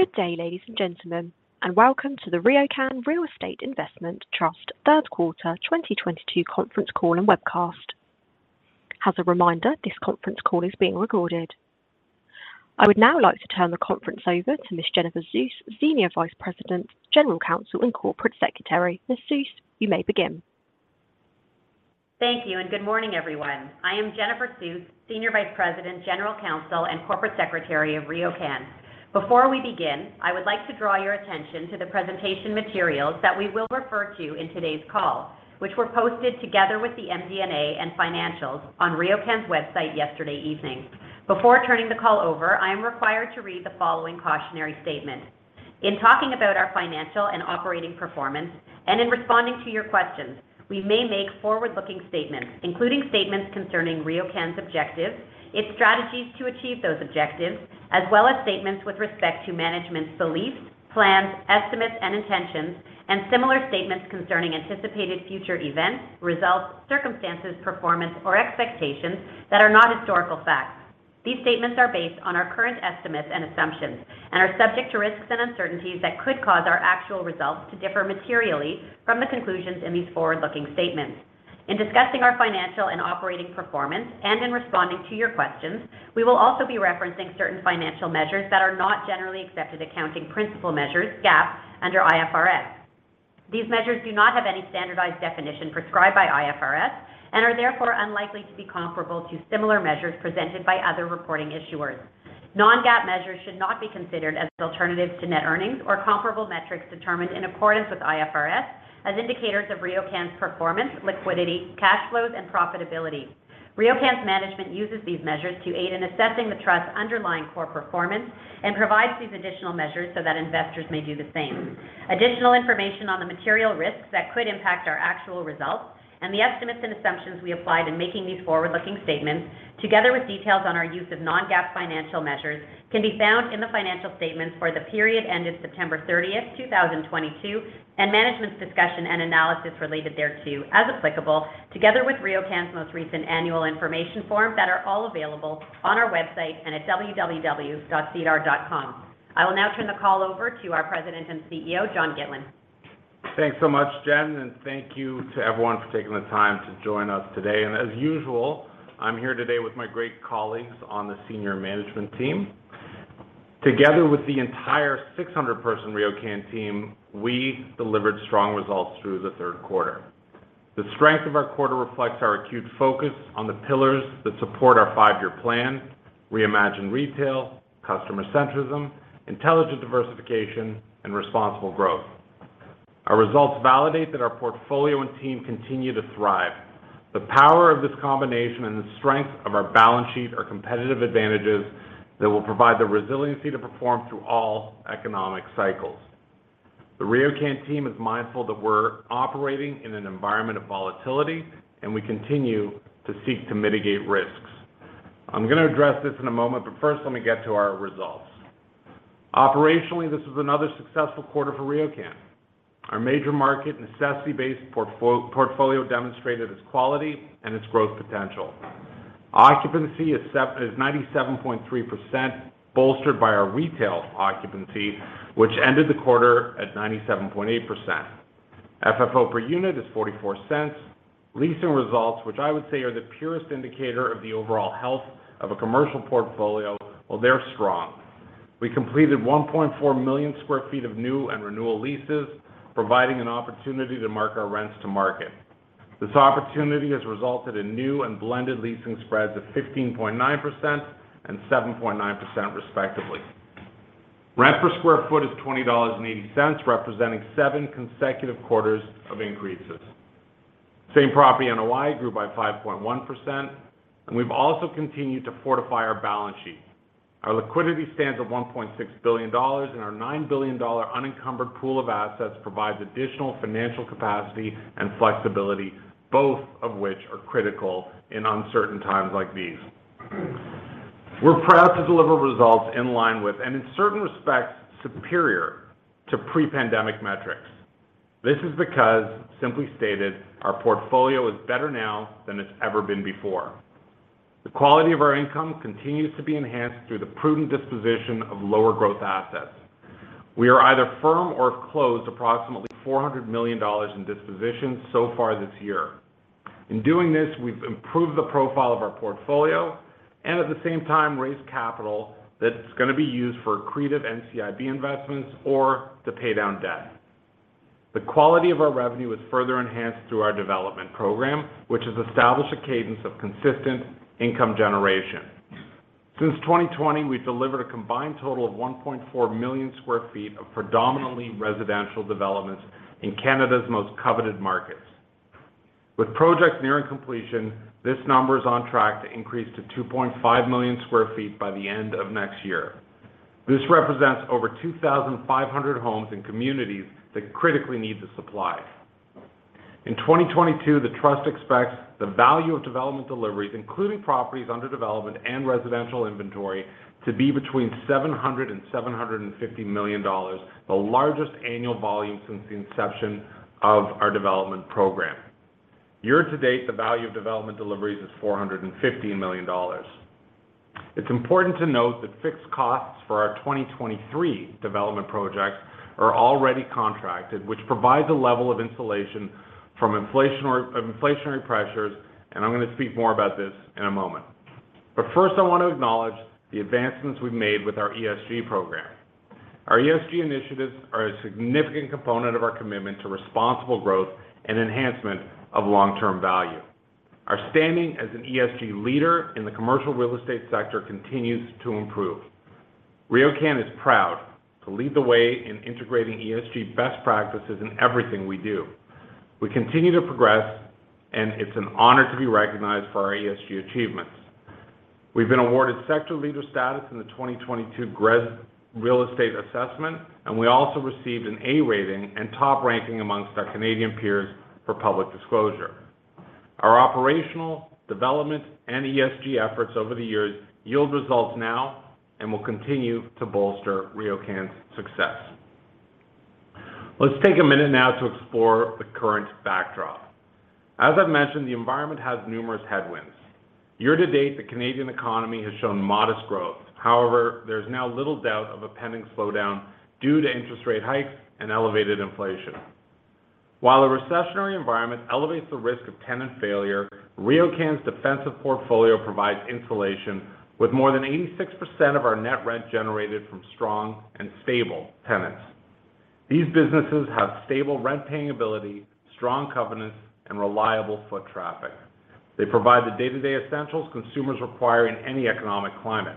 Good day, ladies and gentlemen, and welcome to the RioCan Real Estate Investment Trust Third Quarter 2022 Conference Call and Webcast. As a reminder, this conference call is being recorded. I would now like to turn the conference over to Ms. Jennifer Suess, Senior Vice President, General Counsel, and Corporate Secretary. Ms. Suess, you may begin. Thank you, and good morning, everyone. I am Jennifer Suess, Senior Vice President, General Counsel, and Corporate Secretary of RioCan. Before we begin, I would like to draw your attention to the presentation materials that we will refer to in today's call, which were posted together with the MD&A and financials on RioCan's website yesterday evening. Before turning the call over, I am required to read the following cautionary statement. In talking about our financial and operating performance and in responding to your questions, we may make forward-looking statements, including statements concerning RioCan's objectives, its strategies to achieve those objectives, as well as statements with respect to management's beliefs, plans, estimates, and intentions, and similar statements concerning anticipated future events, results, circumstances, performance, or expectations that are not historical facts. These statements are based on our current estimates and assumptions and are subject to risks and uncertainties that could cause our actual results to differ materially from the conclusions in these forward-looking statements. In discussing our financial and operating performance and in responding to your questions, we will also be referencing certain financial measures that are not generally accepted accounting principles measures, GAAP, under IFRS. These measures do not have any standardized definition prescribed by IFRS and are therefore unlikely to be comparable to similar measures presented by other reporting issuers. Non-GAAP measures should not be considered as alternatives to net earnings or comparable metrics determined in accordance with IFRS as indicators of RioCan's performance, liquidity, cash flows, and profitability. RioCan's management uses these measures to aid in assessing the trust's underlying core performance and provides these additional measures so that investors may do the same. Additional information on the material risks that could impact our actual results and the estimates and assumptions we applied in making these forward-looking statements, together with details on our use of non-GAAP financial measures, can be found in the financial statements for the period ended September thirtieth, two thousand twenty-two, and management's discussion and analysis related thereto as applicable, together with RioCan's most recent annual information forms that are all available on our website and at www.sedar.com. I will now turn the call over to our President and CEO, Jonathan Gitlin. Thanks so much, Jen, and thank you to everyone for taking the time to join us today. As usual, I'm here today with my great colleagues on the senior management team. Together with the entire 600-person RioCan team, we delivered strong results through the third quarter. The strength of our quarter reflects our acute focus on the pillars that support our five-year plan, reimagined retail, customer centrism, intelligent diversification, and responsible growth. Our results validate that our portfolio and team continue to thrive. The power of this combination and the strength of our balance sheet are competitive advantages that will provide the resiliency to perform through all economic cycles. The RioCan team is mindful that we're operating in an environment of volatility, and we continue to seek to mitigate risks. I'm gonna address this in a moment, but first let me get to our results. Operationally, this was another successful quarter for RioCan. Our major market necessity-based portfolio demonstrated its quality and its growth potential. Occupancy is 97.3%, bolstered by our retail occupancy, which ended the quarter at 97.8%. FFO per unit is 0.44. Leasing results, which I would say are the purest indicator of the overall health of a commercial portfolio, well, they're strong. We completed 1.4 million sq ft of new and renewal leases, providing an opportunity to mark our rents to market. This opportunity has resulted in new and blended leasing spreads of 15.9% and 7.9% respectively. Rent per square foot is 20.80 dollars, representing seven consecutive quarters of increases. Same property NOI grew by 5.1%, and we've also continued to fortify our balance sheet. Our liquidity stands at 1.6 billion dollars, and our 9 billion dollar unencumbered pool of assets provides additional financial capacity and flexibility, both of which are critical in uncertain times like these. We're proud to deliver results in line with, and in certain respects, superior to pre-pandemic metrics. This is because, simply stated, our portfolio is better now than it's ever been before. The quality of our income continues to be enhanced through the prudent disposition of lower growth assets. We have either firm or have closed approximately 400 million dollars in dispositions so far this year. In doing this, we've improved the profile of our portfolio and at the same time raised capital that's gonna be used for accretive NCIB investments or to pay down debt. The quality of our revenue is further enhanced through our development program, which has established a cadence of consistent income generation. Since 2020, we've delivered a combined total of 1.4 million sq ft of predominantly residential developments in Canada's most coveted markets. With projects nearing completion, this number is on track to increase to 2.5 million sq ft by the end of next year. This represents over 2,500 homes and communities that critically need the supply. In 2022, the trust expects the value of development deliveries, including properties under development and residential inventory, to be between 700 million dollars and 750 million dollars, the largest annual volume since the inception of our development program. Year-to-date, the value of development deliveries is 450 million dollars. It's important to note that fixed costs for our 2023 development projects are already contracted, which provides a level of insulation from inflationary pressures, and I'm gonna speak more about this in a moment. First, I wanna acknowledge the advancements we've made with our ESG program. Our ESG initiatives are a significant component of our commitment to responsible growth and enhancement of long-term value. Our standing as an ESG leader in the commercial real estate sector continues to improve. RioCan is proud to lead the way in integrating ESG best practices in everything we do. We continue to progress, and it's an honor to be recognized for our ESG achievements. We've been awarded sector leader status in the 2022 GRESB Real Estate Assessment, and we also received an A rating and top ranking amongst our Canadian peers for public disclosure. Our operational, development, and ESG efforts over the years yield results now and will continue to bolster RioCan's success. Let's take a minute now to explore the current backdrop. As I've mentioned, the environment has numerous headwinds. Year-to-date, the Canadian economy has shown modest growth. However, there's now little doubt of a pending slowdown due to interest rate hikes and elevated inflation. While a recessionary environment elevates the risk of tenant failure, RioCan's defensive portfolio provides insulation with more than 86% of our net rent generated from strong and stable tenants. These businesses have stable rent-paying ability, strong covenants, and reliable foot traffic. They provide the day-to-day essentials consumers require in any economic climate.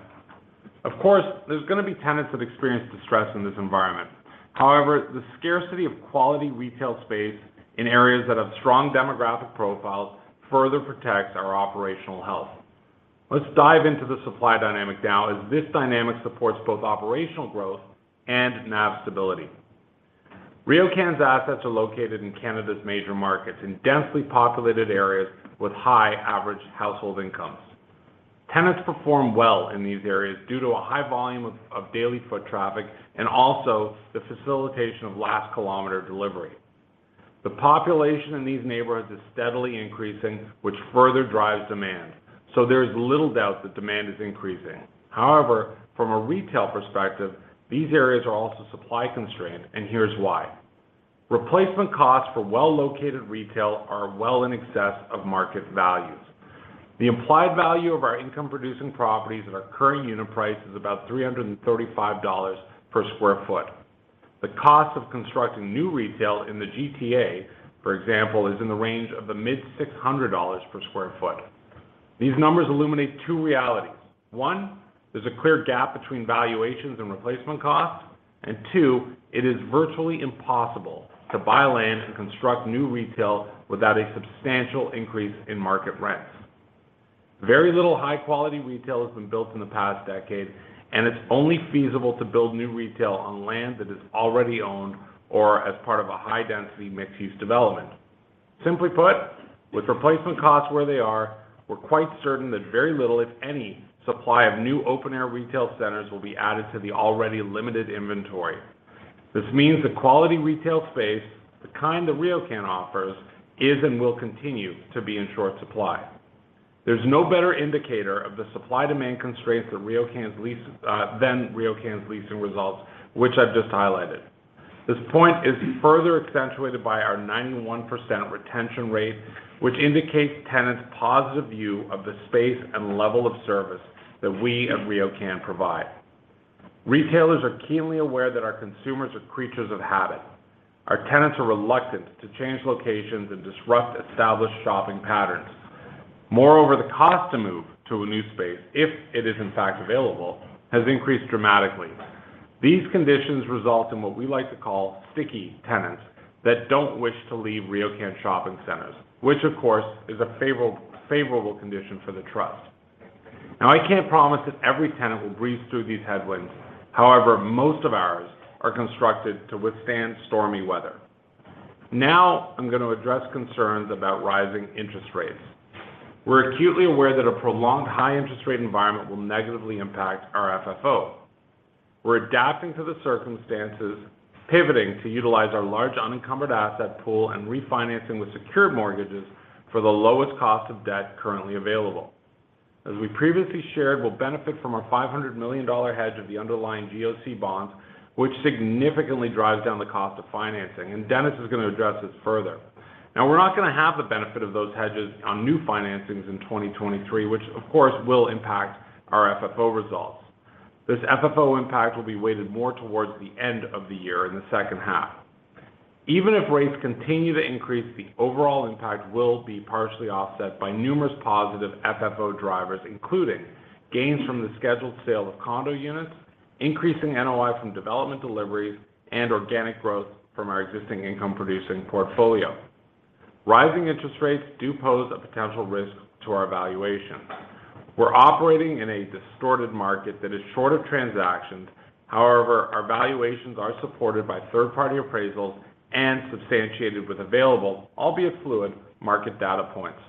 Of course, there's gonna be tenants that experience distress in this environment. However, the scarcity of quality retail space in areas that have strong demographic profiles further protects our operational health. Let's dive into the supply dynamic now, as this dynamic supports both operational growth and NAV stability. RioCan's assets are located in Canada's major markets, in densely populated areas with high average household incomes. Tenants perform well in these areas due to a high volume of daily foot traffic and also the facilitation of last-kilometer delivery. The population in these neighborhoods is steadily increasing, which further drives demand, so there's little doubt that demand is increasing. However, from a retail perspective, these areas are also supply-constrained, and here's why. Replacement costs for well-located retail are well in excess of market values. The implied value of our income-producing properties at our current unit price is about 335 dollars per sq ft. The cost of constructing new retail in the GTA, for example, is in the range of the mid-600 CAD per sq ft. These numbers illuminate two realities. One, there's a clear gap between valuations and replacement costs, and two, it is virtually impossible to buy land and construct new retail without a substantial increase in market rents. Very little high-quality retail has been built in the past decade, and it's only feasible to build new retail on land that is already owned or as part of a high-density mixed-use development. Simply put, with replacement costs where they are, we're quite certain that very little, if any, supply of new open-air retail centers will be added to the already limited inventory. This means that quality retail space, the kind that RioCan offers, is and will continue to be in short supply. There's no better indicator of the supply-demand constraints than RioCan's leasing results, which I've just highlighted. This point is further accentuated by our 91% retention rate, which indicates tenants' positive view of the space and level of service that we at RioCan provide. Retailers are keenly aware that our consumers are creatures of habit. Our tenants are reluctant to change locations and disrupt established shopping patterns. Moreover, the cost to move to a new space, if it is in fact available, has increased dramatically. These conditions result in what we like to call sticky tenants that don't wish to leave RioCan shopping centers, which of course is a favorable condition for the trust. Now, I can't promise that every tenant will breeze through these headwinds. However, most of ours are constructed to withstand stormy weather. Now, I'm gonna address concerns about rising interest rates. We're acutely aware that a prolonged high interest rate environment will negatively impact our FFO. We're adapting to the circumstances, pivoting to utilize our large unencumbered asset pool and refinancing with secured mortgages for the lowest cost of debt currently available. As we previously shared, we'll benefit from our 500 million dollar hedge of the underlying GOC bonds, which significantly drives down the cost of financing, and Dennis is gonna address this further. Now we're not gonna have the benefit of those hedges on new financings in 2023, which of course will impact our FFO results. This FFO impact will be weighted more towards the end of the year in the second half. Even if rates continue to increase, the overall impact will be partially offset by numerous positive FFO drivers, including gains from the scheduled sale of condo units, increasing NOI from development deliveries, and organic growth from our existing income-producing portfolio. Rising interest rates do pose a potential risk to our valuation. We're operating in a distorted market that is short of transactions. However, our valuations are supported by third-party appraisals and substantiated with available, albeit fluid, market data points.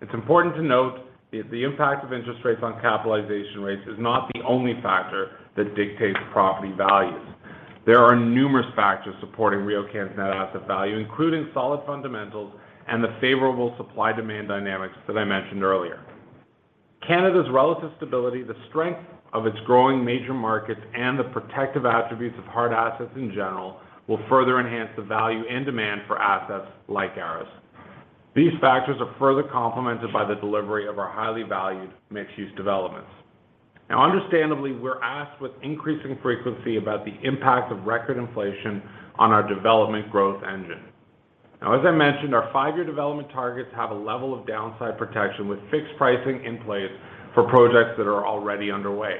It's important to note that the impact of interest rates on capitalization rates is not the only factor that dictates property values. There are numerous factors supporting RioCan's net asset value, including solid fundamentals and the favorable supply-demand dynamics that I mentioned earlier. Canada's relative stability, the strength of its growing major markets, and the protective attributes of hard assets in general, will further enhance the value and demand for assets like ours. These factors are further complemented by the delivery of our highly valued mixed-use developments. Now, understandably, we're asked with increasing frequency about the impact of record inflation on our development growth engine. Now, as I mentioned, our five-year development targets have a level of downside protection with fixed pricing in place for projects that are already underway.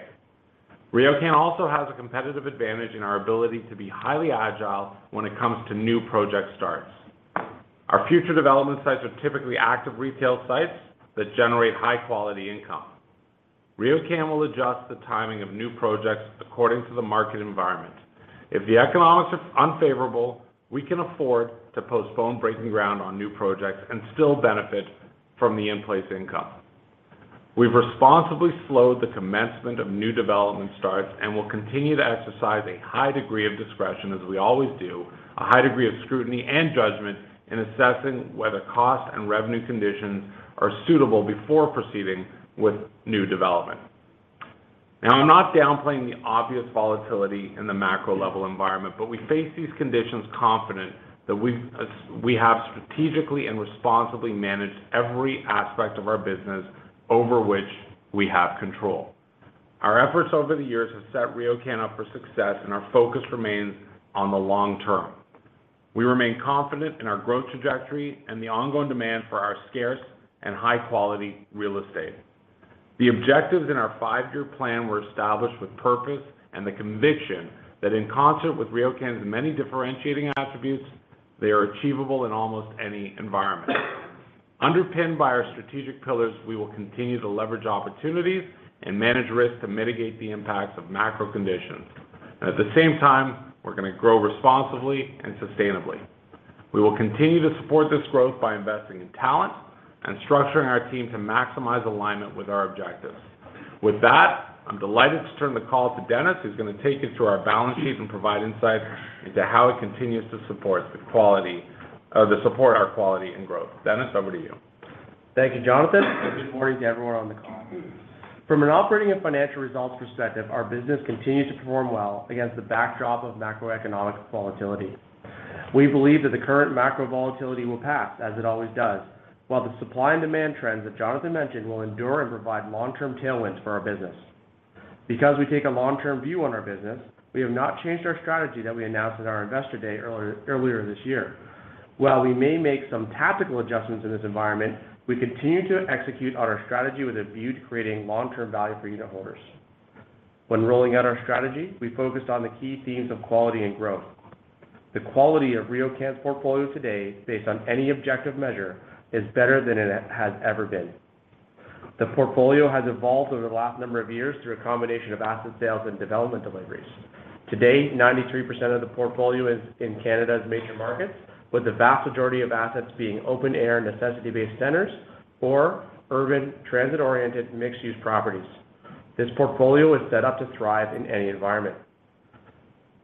RioCan also has a competitive advantage in our ability to be highly agile when it comes to new project starts. Our future development sites are typically active retail sites that generate high-quality income. RioCan will adjust the timing of new projects according to the market environment. If the economics are unfavorable, we can afford to postpone breaking ground on new projects and still benefit from the in-place income. We've responsibly slowed the commencement of new development starts, and we'll continue to exercise a high degree of discretion as we always do, a high degree of scrutiny and judgment in assessing whether cost and revenue conditions are suitable before proceeding with new development. Now, I'm not downplaying the obvious volatility in the macro level environment, but we face these conditions confident that we have strategically and responsibly managed every aspect of our business over which we have control. Our efforts over the years have set RioCan up for success, and our focus remains on the long term. We remain confident in our growth trajectory and the ongoing demand for our scarce and high-quality real estate. The objectives in our five-year plan were established with purpose and the conviction that in concert with RioCan's many differentiating attributes, they are achievable in almost any environment. Underpinned by our strategic pillars, we will continue to leverage opportunities and manage risks to mitigate the impacts of macro conditions. At the same time, we're going to grow responsibly and sustainably. We will continue to support this growth by investing in talent and structuring our team to maximize alignment with our objectives. With that, I'm delighted to turn the call to Dennis, who's going to take you through our balance sheet and provide insight into how it continues to support our quality and growth. Dennis, over to you. Thank you, Jonathan, and good morning to everyone on the call. From an operating and financial results perspective, our business continues to perform well against the backdrop of macroeconomic volatility. We believe that the current macro volatility will pass, as it always does, while the supply and demand trends that Jonathan mentioned will endure and provide long-term tailwinds for our business. Because we take a long-term view on our business, we have not changed our strategy that we announced at our Investor Day earlier this year. While we may make some tactical adjustments in this environment, we continue to execute on our strategy with a view to creating long-term value for unitholders. When rolling out our strategy, we focused on the key themes of quality and growth. The quality of RioCan's portfolio today, based on any objective measure, is better than it has ever been. The portfolio has evolved over the last number of years through a combination of asset sales and development deliveries. Today, 93% of the portfolio is in Canada's major markets, with the vast majority of assets being open air, necessity-based centers or urban transit-oriented mixed-use properties. This portfolio is set up to thrive in any environment.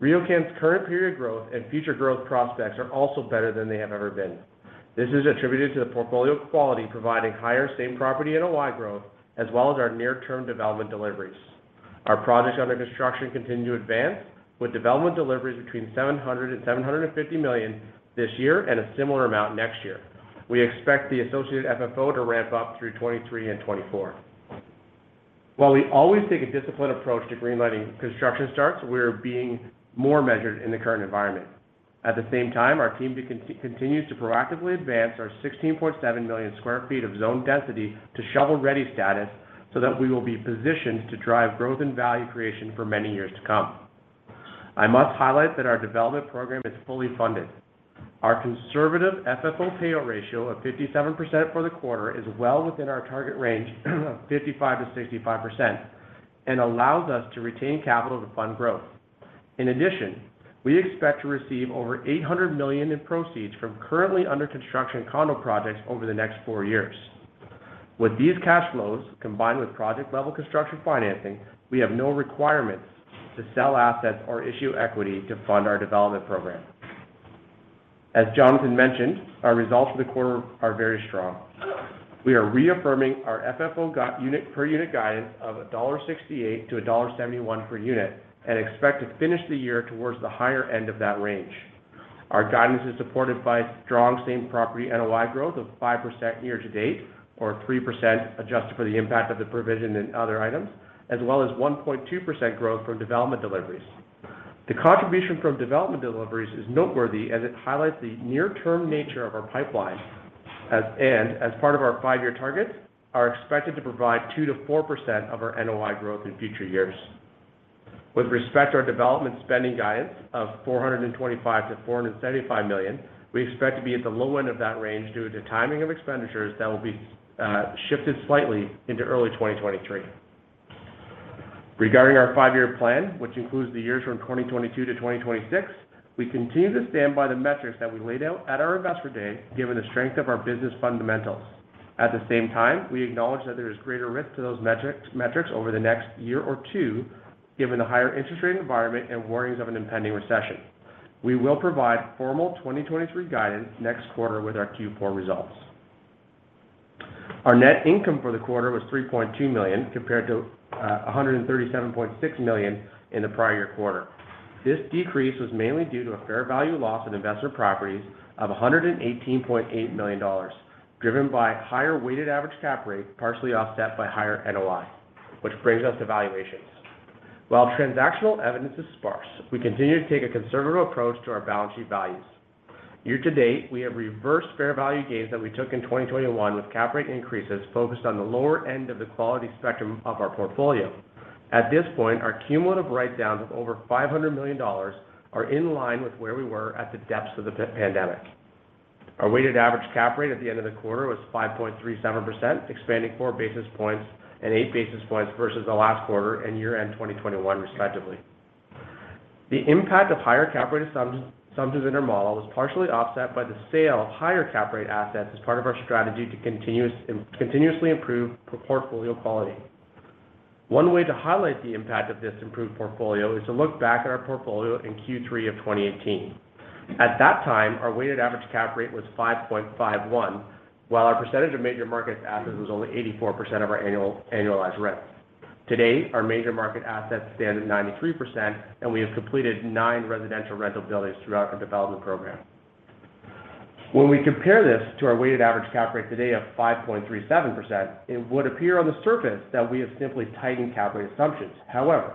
RioCan's current period growth and future growth prospects are also better than they have ever been. This is attributed to the portfolio quality providing higher same-property NOI growth, as well as our near-term development deliveries. Our projects under construction continue to advance, with development deliveries between 700 million and 750 million this year and a similar amount next year. We expect the associated FFO to ramp up through 2023 and 2024. While we always take a disciplined approach to greenlighting construction starts, we're being more measured in the current environment. At the same time, our team continues to proactively advance our 16.7 million sq ft of zoned density to shovel-ready status so that we will be positioned to drive growth and value creation for many years to come. I must highlight that our development program is fully funded. Our conservative FFO payout ratio of 57% for the quarter is well within our target range of 55%-65% and allows us to retain capital to fund growth. In addition, we expect to receive over 800 million in proceeds from currently under-construction condo projects over the next four years. With these cash flows, combined with project-level construction financing, we have no requirements to sell assets or issue equity to fund our development program. As Jonathan mentioned, our results for the quarter are very strong. We are reaffirming our FFO per-unit guidance of 1.68-1.71 dollar per unit and expect to finish the year towards the higher end of that range. Our guidance is supported by strong same-property NOI growth of 5% year to date, or 3% adjusted for the impact of the provision and other items, as well as 1.2% growth from development deliveries. The contribution from development deliveries is noteworthy as it highlights the near-term nature of our pipeline, and as part of our five-year targets, are expected to provide 2%-4% of our NOI growth in future years. With respect to our development spending guidance of 425 million-475 million, we expect to be at the low end of that range due to timing of expenditures that will be shifted slightly into early 2023. Regarding our five-year plan, which includes the years from 2022 to 2026, we continue to stand by the metrics that we laid out at our Investor Day, given the strength of our business fundamentals. At the same time, we acknowledge that there is greater risk to those metrics over the next year or two, given the higher interest rate environment and warnings of an impending recession. We will provide formal 2023 guidance next quarter with our Q4 results. Our net income for the quarter was 3.2 million, compared to a 137.6 million in the prior quarter. This decrease was mainly due to a fair value loss in investment properties of 118.8 million dollars, driven by higher weighted average cap rate, partially offset by higher NOI, which brings us to valuations. While transactional evidence is sparse, we continue to take a conservative approach to our balance sheet values. Year to date, we have reversed fair value gains that we took in 2021 with cap rate increases focused on the lower end of the quality spectrum of our portfolio. At this point, our cumulative write-downs of over 500 million dollars are in line with where we were at the depths of the pandemic. Our weighted average cap rate at the end of the quarter was 5.37%, expanding 4 basis points and 8 basis points versus the last quarter and year-end 2021 respectively. The impact of higher cap rate assumption in our model was partially offset by the sale of higher cap rate assets as part of our strategy to continuously improve portfolio quality. One way to highlight the impact of this improved portfolio is to look back at our portfolio in Q3 of 2018. At that time, our weighted average cap rate was 5.51, while our percentage of major market assets was only 84% of our annualized rent. Today, our major market assets stand at 93%, and we have completed nine residential rental buildings throughout our development program. When we compare this to our weighted average cap rate today of 5.37%, it would appear on the surface that we have simply tightened cap rate assumptions. However,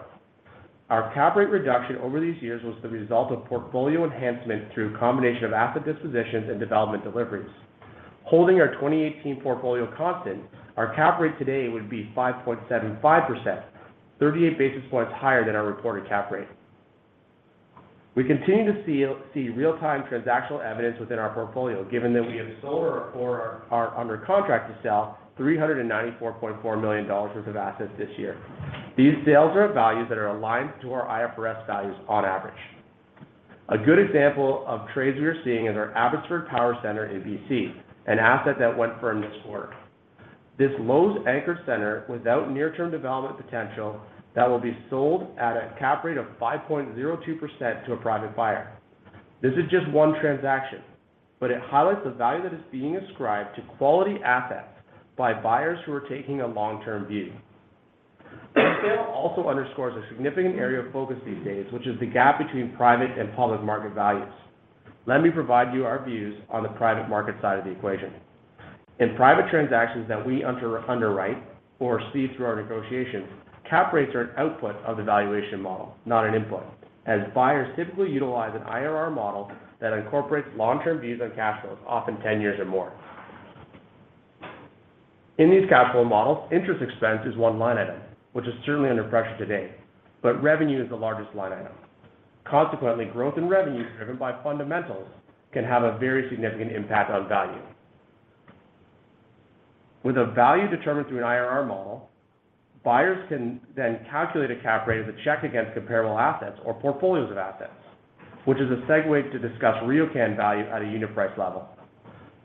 our cap rate reduction over these years was the result of portfolio enhancement through a combination of asset dispositions and development deliveries. Holding our 2018 portfolio constant, our cap rate today would be 5.75%, 38 basis points higher than our reported cap rate. We continue to see real-time transactional evidence within our portfolio, given that we have sold or are under contract to sell 394.4 million dollars worth of assets this year. These sales are at values that are aligned to our IFRS values on average. A good example of trades we are seeing is our Abbotsford Power Centre in BC, an asset that went firm this quarter. This Lowe's anchor center without near-term development potential that will be sold at a cap rate of 5.02% to a private buyer. This is just one transaction, but it highlights the value that is being ascribed to quality assets by buyers who are taking a long-term view. This sale also underscores a significant area of focus these days, which is the gap between private and public market values. Let me provide you our views on the private market side of the equation. In private transactions that we underwrite or see through our negotiations, cap rates are an output of the valuation model, not an input, as buyers typically utilize an IRR model that incorporates long-term views on cash flows, often 10 years or more. In these cash flow models, interest expense is one line item, which is certainly under pressure today, but revenue is the largest line item. Consequently, growth in revenue driven by fundamentals can have a very significant impact on value. With a value determined through an IRR model, buyers can then calculate a cap rate as a check against comparable assets or portfolios of assets, which is a segue to discuss RioCan value at a unit price level.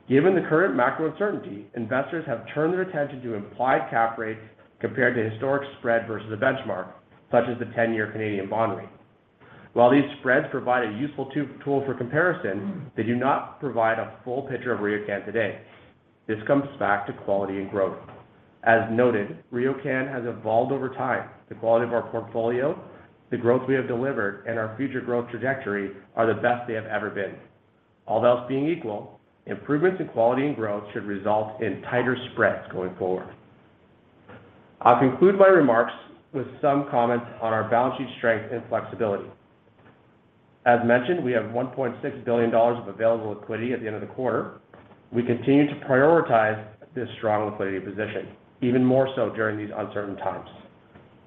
Given the current macro uncertainty, investors have turned their attention to implied cap rates compared to historic spread versus a benchmark, such as the ten-year Canadian bond rate. While these spreads provide a useful tool for comparison, they do not provide a full picture of RioCan today. This comes back to quality and growth. As noted, RioCan has evolved over time. The quality of our portfolio, the growth we have delivered, and our future growth trajectory are the best they have ever been. All else being equal, improvements in quality and growth should result in tighter spreads going forward. I'll conclude my remarks with some comments on our balance sheet strength and flexibility. As mentioned, we have 1.6 billion dollars of available liquidity at the end of the quarter. We continue to prioritize this strong liquidity position, even more so during these uncertain times.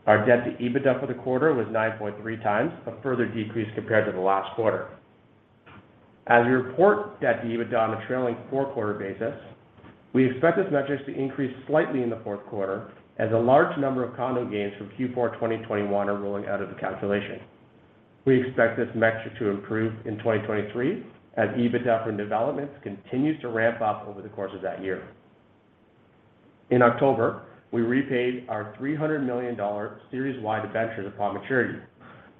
Our debt to EBITDA for the quarter was 9.3 times, a further decrease compared to the last quarter. As we report debt to EBITDA on a trailing four-quarter basis, we expect this metric to increase slightly in the fourth quarter as a large number of condo gains from Q4 2021 are rolling out of the calculation. We expect this metric to improve in 2023 as EBITDA from developments continues to ramp up over the course of that year. In October, we repaid our 300 million dollar Series Y debentures upon maturity.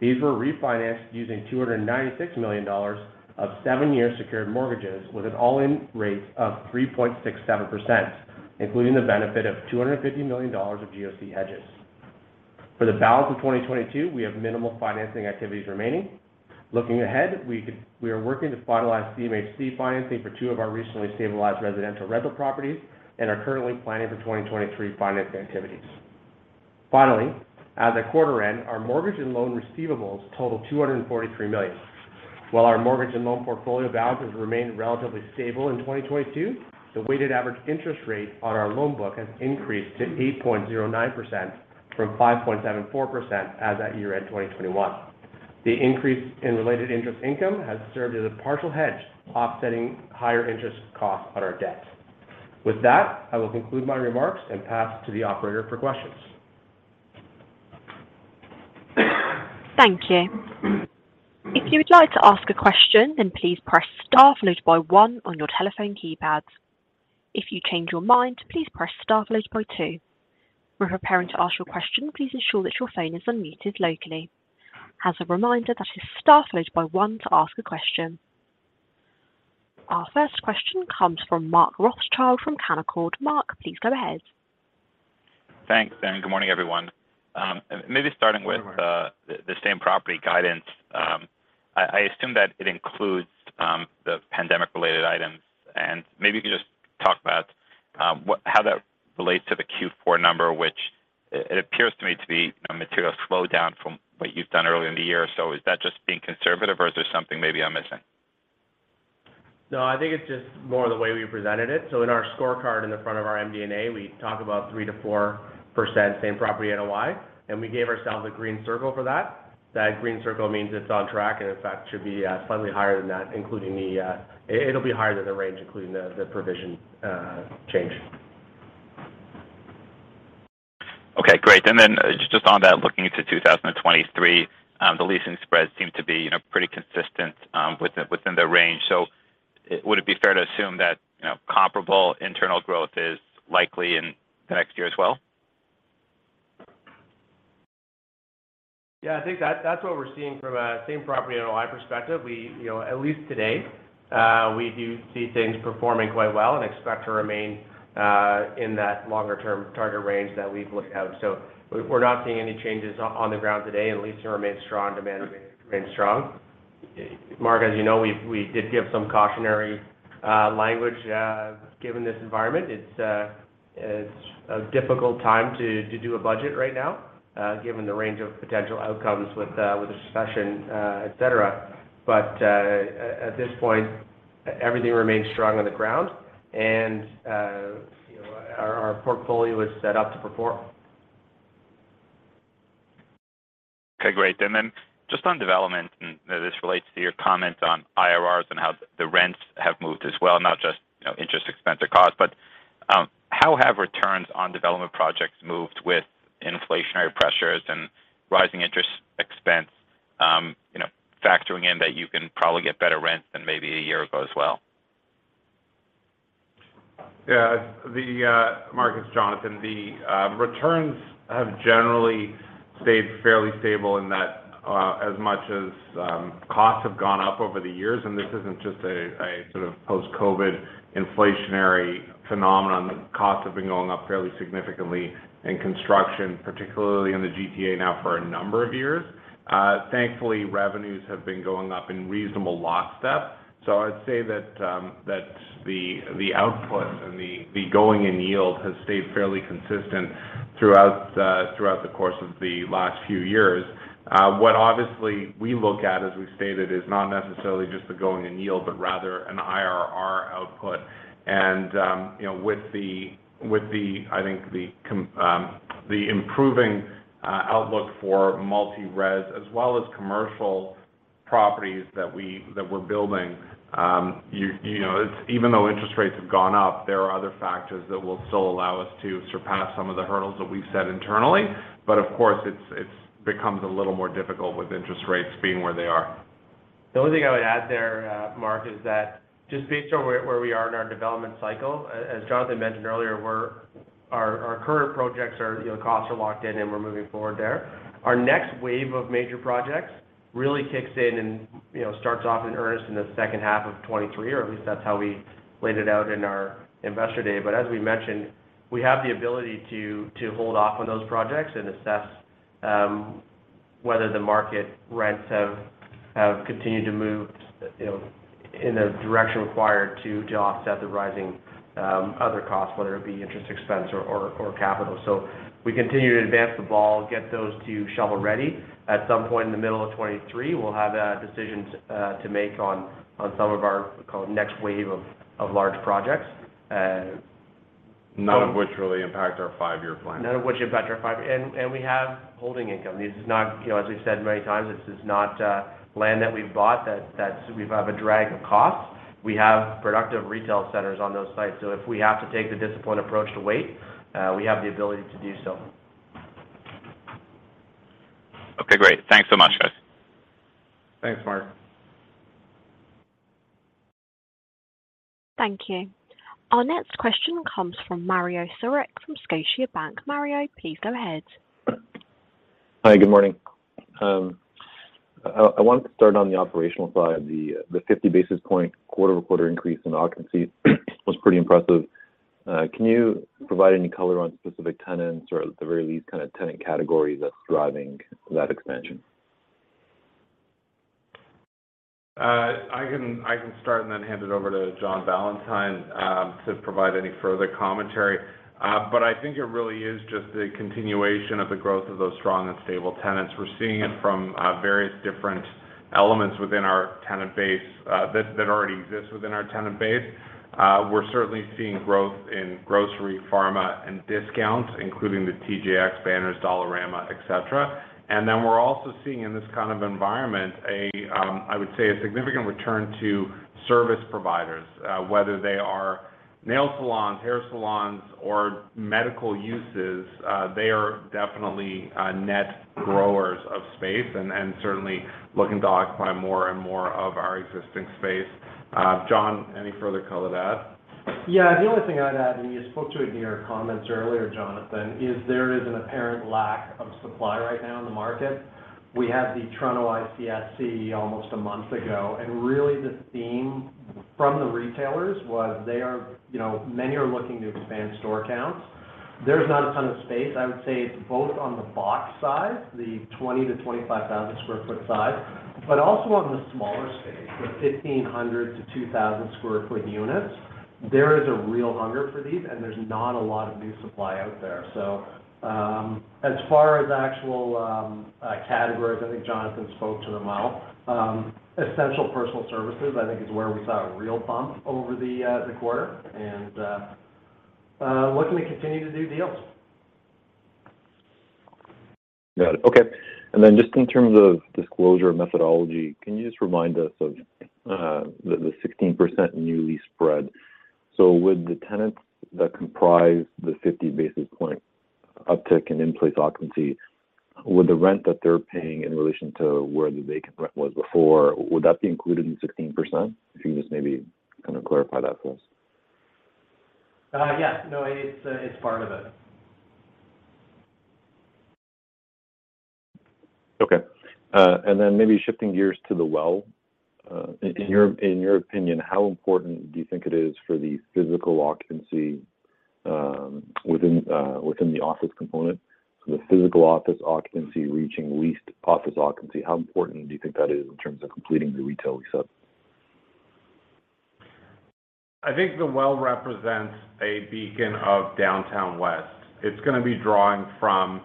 These were refinanced using 296 million dollars of seven-year secured mortgages with an all-in rate of 3.67%, including the benefit of 250 million dollars of GOC hedges. For the balance of 2022, we have minimal financing activities remaining. Looking ahead, we are working to finalize CMHC financing for two of our recently stabilized residential rental properties and are currently planning for 2023 financing activities. Finally, as at quarter end, our mortgage and loan receivables totaled 243 million. While our mortgage and loan portfolio balance has remained relatively stable in 2022, the weighted average interest rate on our loan book has increased to 8.09% from 5.74% as at year-end 2021. The increase in related interest income has served as a partial hedge, offsetting higher interest costs on our debt. With that, I will conclude my remarks and pass to the operator for questions. Thank you. If you would like to ask a question, then please press star followed by one on your telephone keypads. If you change your mind, please press star followed by two. When preparing to ask your question, please ensure that your phone is unmuted locally. As a reminder, that is star followed by one to ask a question. Our first question comes from Mark Rothschild from Canaccord Genuity. Mark, please go ahead. Thanks, and good morning, everyone. Maybe starting with the same property guidance, I assume that it includes the pandemic-related items, and maybe you could just talk about how that relates to the Q4 number, which it appears to me to be a material slowdown from what you've done earlier in the year. Is that just being conservative, or is there something maybe I'm missing? No, I think it's just more the way we presented it. In our scorecard in the front of our MD&A, we talk about 3%-4% same property NOI, and we gave ourselves a green circle for that. That green circle means it's on track, and in fact, should be slightly higher than that. It'll be higher than the range, including the provision change. Okay, great. Then just on that, looking into 2023, the leasing spreads seem to be, you know, pretty consistent within the range. Would it be fair to assume that, you know, comparable internal growth is likely in the next year as well? Yeah, I think that's what we're seeing from a same property NOI perspective. We, you know, at least today, we do see things performing quite well and expect to remain in that longer term target range that we've looked out. We're not seeing any changes on the ground today, and leasing remains strong, demand remains strong. Mark, as you know, we did give some cautionary language given this environment. It's a difficult time to do a budget right now given the range of potential outcomes with the recession, et cetera. At this point, everything remains strong on the ground and, you know, our portfolio is set up to perform. Okay, great. Just on development, and this relates to your comments on IRRs and how the rents have moved as well, not just, you know, interest expense or cost, but, how have returns on development projects moved with inflationary pressures and rising interest expense, you know, factoring in that you can probably get better rents than maybe a year ago as well? Yeah. Mark, it's Jonathan. The returns have generally stayed fairly stable in that, as much as, costs have gone up over the years, and this isn't just a sort of post-COVID inflationary phenomenon. Costs have been going up fairly significantly in construction, particularly in the GTA now for a number of years. Thankfully, revenues have been going up in reasonable lockstep. So I'd say that the output and the going in yield has stayed fairly consistent throughout the course of the last few years. What obviously we look at, as we've stated, is not necessarily just the going in yield, but rather an IRR output. You know, with the, I think the improving outlook for multi-res as well as commercial properties that we're building, you know, even though interest rates have gone up, there are other factors that will still allow us to surpass some of the hurdles that we've set internally. Of course, it becomes a little more difficult with interest rates being where they are. The only thing I would add there, Mark, is that just based on where we are in our development cycle, as Jonathan mentioned earlier, our current projects are, you know, costs are locked in and we're moving forward there. Our next wave of major projects really kicks in and, you know, starts off in earnest in the second half of 2023, or at least that's how we laid it out in our Investor Day. As we mentioned, we have the ability to hold off on those projects and assess whether the market rents have continued to move, you know, in the direction required to offset the rising other costs, whether it be interest expense or capital. We continue to advance the ball, get those to shovel-ready. At some point in the middle of 2023, we'll have decisions to make on some of our next wave of large projects. None of which really impact our five-year plan. None of which impact our five. We have holding income. This is not, you know, as we've said many times, this is not land that we've bought that we have a drag of costs. We have productive retail centers on those sites, so if we have to take the disciplined approach to wait, we have the ability to do so. Okay, great. Thanks so much, guys. Thanks, Mark. Thank you. Our next question comes from Mario Saric from Scotiabank. Mario, please go ahead. Hi, good morning. I wanted to start on the operational side. The 50 basis point quarter-over-quarter increase in occupancy was pretty impressive. Can you provide any color on specific tenants or at the very least kind of tenant category that's driving that expansion? I can start and then hand it over to John Ballantyne to provide any further commentary. I think it really is just the continuation of the growth of those strong and stable tenants. We're seeing it from various different elements within our tenant base that already exists within our tenant base. We're certainly seeing growth in grocery, pharma, and discounts, including the TJX banners, Dollarama, et cetera. We're also seeing in this kind of environment a significant return to service providers, whether they are nail salons, hair salons, or medical uses. They are definitely net growers of space and certainly looking to acquire more and more of our existing space. John, any further color to add? Yeah. The only thing I'd add, and you spoke to it in your comments earlier, Jonathan, is there is an apparent lack of supply right now in the market. We had the Toronto ICSC almost a month ago, and really the theme from the retailers was they are, you know, many are looking to expand store counts. There's not a ton of space. I would say it's both on the box side, the 20,000-25,000 sq ft side, but also on the smaller space, the 1,500-2,000 sq ft units. There is a real hunger for these, and there's not a lot of new supply out there. As far as actual categories, I think Jonathan spoke to them all. Essential personal services, I think, is where we saw a real bump over the quarter and looking to continue to do deals. Got it. Okay. Just in terms of disclosure of methodology, can you just remind us of the 16% new lease spread. Would the tenants that comprise the 50 basis point uptick in-place occupancy, would the rent that they're paying in relation to where the vacant rent was before, would that be included in the 16%? If you can just maybe kind of clarify that for us. Yeah. No, it's part of it. Maybe shifting gears to The Well. In your opinion, how important do you think it is for the physical occupancy within the office component? The physical office occupancy reaching leased office occupancy, how important do you think that is in terms of completing the retail aspect? I think The Well represents a beacon of Downtown West. It's gonna be drawing from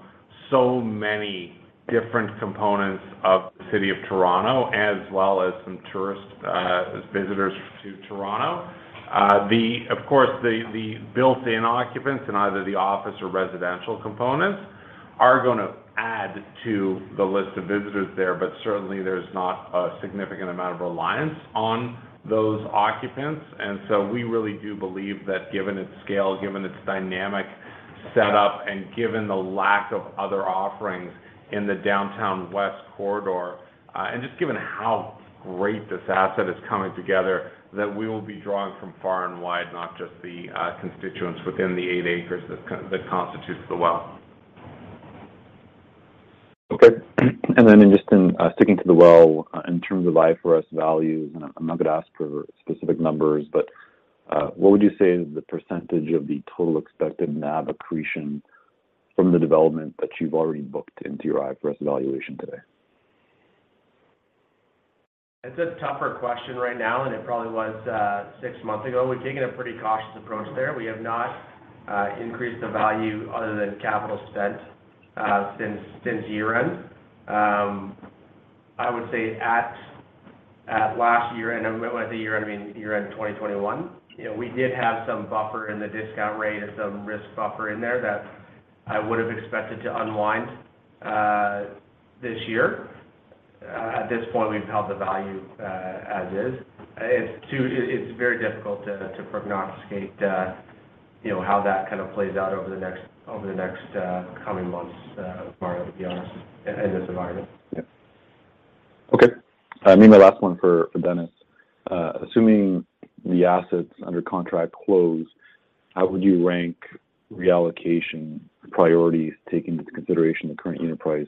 so many different components of the City of Toronto, as well as some tourist visitors to Toronto. Of course, the built-in occupants in either the office or residential components are gonna add to the list of visitors there, but certainly there's not a significant amount of reliance on those occupants. We really do believe that given its scale, given its dynamic setup, and given the lack of other offerings in the Downtown West corridor, and just given how great this asset is coming together, that we will be drawing from far and wide, not just the constituents within the 8 acres that constitutes The Well. Okay. Just in sticking to The Well, in terms of IFRS values, and I'm not gonna ask for specific numbers, but, what would you say is the percentage of the total expected NAV accretion from the development that you've already booked into your IFRS valuation today? It's a tougher question right now, and it probably was six months ago. We've taken a pretty cautious approach there. We have not increased the value other than capital spent since year-end. I would say at last year end, and when I say year-end, I mean year-end 2021, you know, we did have some buffer in the discount rate and some risk buffer in there that I would've expected to unwind this year. At this point, we've held the value as is. It's very difficult to prognosticate, you know, how that kind of plays out over the next coming months, Mario, to be honest, in this environment. Yeah. Okay. I mean, my last one for Dennis. Assuming the assets under contract close, how would you rank reallocation priorities, taking into consideration the current unit price,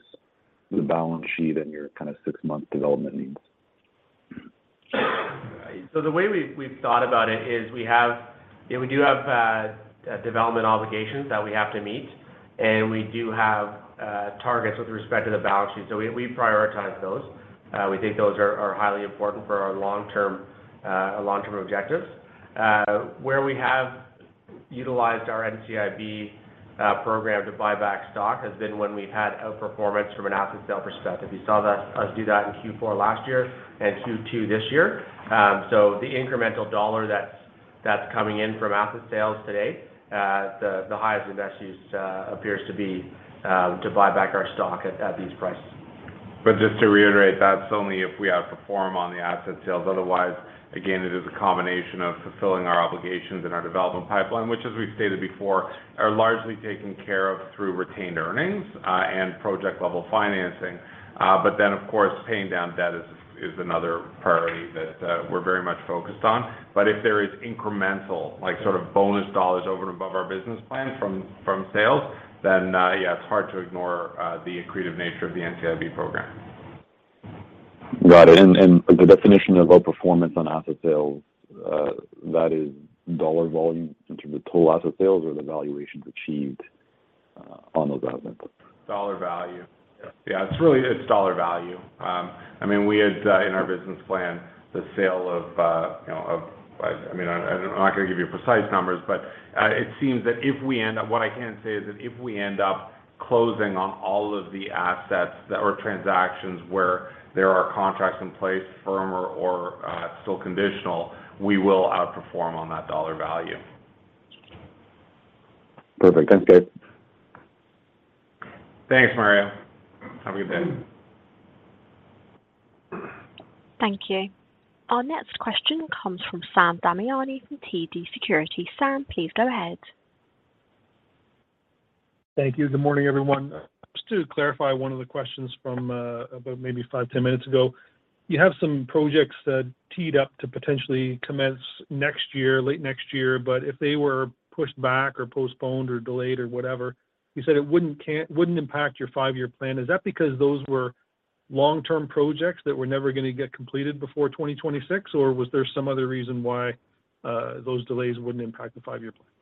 the balance sheet, and your kind of six-month development needs? The way we've thought about it is we have, you know, we do have development obligations that we have to meet, and we do have targets with respect to the balance sheet. We prioritize those. We think those are highly important for our long-term objectives. Where we have utilized our NCIB program to buy back stock has been when we've had outperformance from an asset sale perspective. You saw us do that in Q4 last year and Q2 this year. The incremental dollar that's coming in from asset sales today, the highest and best use appears to be to buy back our stock at these prices. Just to reiterate, that's only if we outperform on the asset sales. Otherwise, again, it is a combination of fulfilling our obligations in our development pipeline, which as we've stated before, are largely taken care of through retained earnings and project-level financing. Of course, paying down debt is another priority that we're very much focused on. If there is incremental, like sort of bonus dollars over and above our business plan from sales, then yeah, it's hard to ignore the accretive nature of the NCIB program. Got it. The definition of outperformance on asset sales, that is dollar volume in terms of total asset sales or the valuations achieved on those assets? Dollar value. Yeah. It's really its dollar value. I mean, we had in our business plan the sale of, you know. I mean, I'm not gonna give you precise numbers, but it seems that if we end up closing on all of the assets that or transactions where there are contracts in place, firm or still conditional, we will outperform on that dollar value. Perfect. Thanks, guys. Thanks, Mario. Have a good day. Thank you. Our next question comes from Sam Damiani from TD Securities. Sam, please go ahead. Thank you. Good morning, everyone. Just to clarify one of the questions from about maybe five, 10 minutes ago. You have some projects that teed up to potentially commence next year, late next year. If they were pushed back or postponed or delayed or whatever, you said it wouldn't impact your five-year plan. Is that because those were long-term projects that were never gonna get completed before 2026, or was there some other reason why those delays wouldn't impact the five-year plan? Yeah.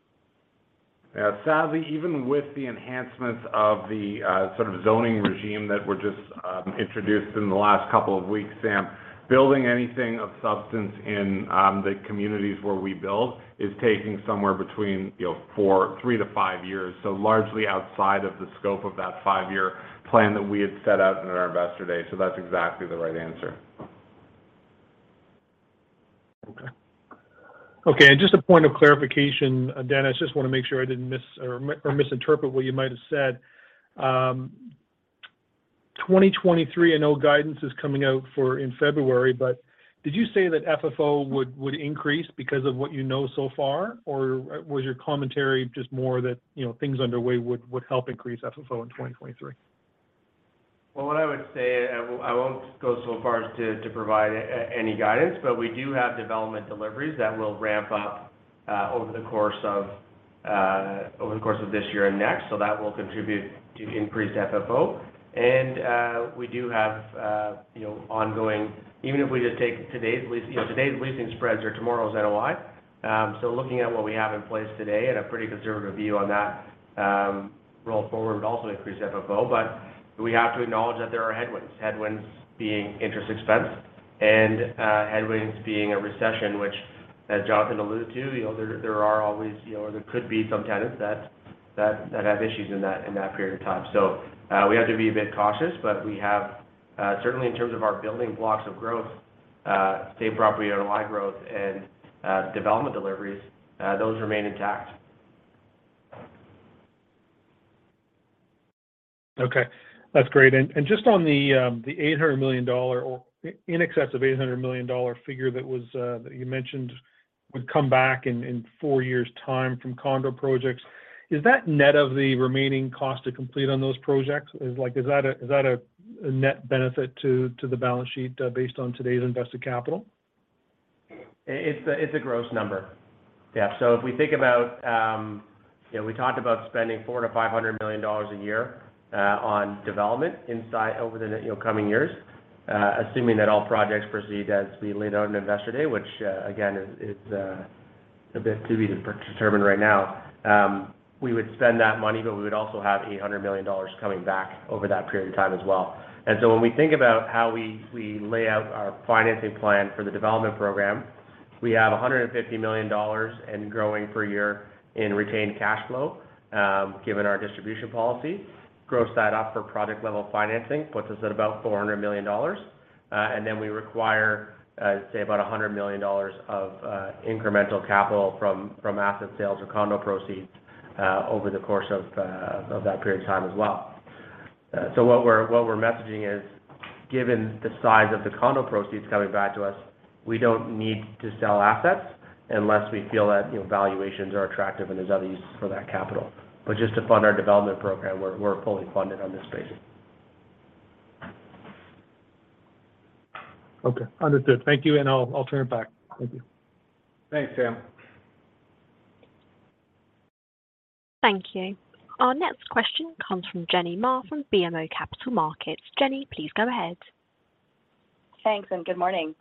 Sadly, even with the enhancements of the sort of zoning regime that were just introduced in the last couple of weeks, Sam, building anything of substance in the communities where we build is taking somewhere between, you know, three to five years, so largely outside of the scope of that five-year plan that we had set out in our Investor Day. That's exactly the right answer. Okay, and just a point of clarification. I just wanna make sure I didn't misinterpret what you might have said. 2023, I know guidance is coming out in February, but did you say that FFO would increase because of what you know so far, or was your commentary just more that, you know, things underway would help increase FFO in 2023? Well, what I would say, I won't go so far as to provide any guidance, but we do have development deliveries that will ramp up over the course of this year and next. That will contribute to increased FFO. We do have you know, even if we just take today's leasing spreads or tomorrow's NOI, looking at what we have in place today at a pretty conservative view on that, roll forward would also increase FFO. We have to acknowledge that there are headwinds. Headwinds being interest expense and headwinds being a recession which, as Jonathan alluded to, you know, there are always you know, or there could be some tenants that have issues in that period of time. We have to be a bit cautious, but we certainly have, in terms of our building blocks of growth, same property NOI growth and development deliveries. Those remain intact. Okay. That's great. Just on the 800 million dollar or in excess of 800 million dollar figure that you mentioned would come back in four years' time from condo projects. Is that net of the remaining cost to complete on those projects? Is that a net benefit to the balance sheet based on today's invested capital? It's a gross number. Yeah. If we think about, we talked about spending 400 million-500 million dollars a year on development over the coming years, assuming that all projects proceed as we laid out in Investor Day, which, again, is a bit to be determined right now. We would spend that money, but we would also have 800 million dollars coming back over that period of time as well. When we think about how we lay out our financing plan for the development program, we have 150 million dollars and growing per year in retained cash flow, given our distribution policy. Gross that up for project-level financing, puts us at about 400 million dollars. We require say about 100 million dollars of incremental capital from asset sales or condo proceeds over the course of that period of time as well. What we're messaging is, given the size of the condo proceeds coming back to us, we don't need to sell assets unless we feel that, you know, valuations are attractive and there's other uses for that capital. Just to fund our development program, we're fully funded on this basis. Okay. Understood. Thank you, and I'll turn it back. Thank you. Thanks, Sam. Thank you. Our next question comes from Jenny Ma from BMO Capital Markets. Jenny, please go ahead. Thanks, good morning.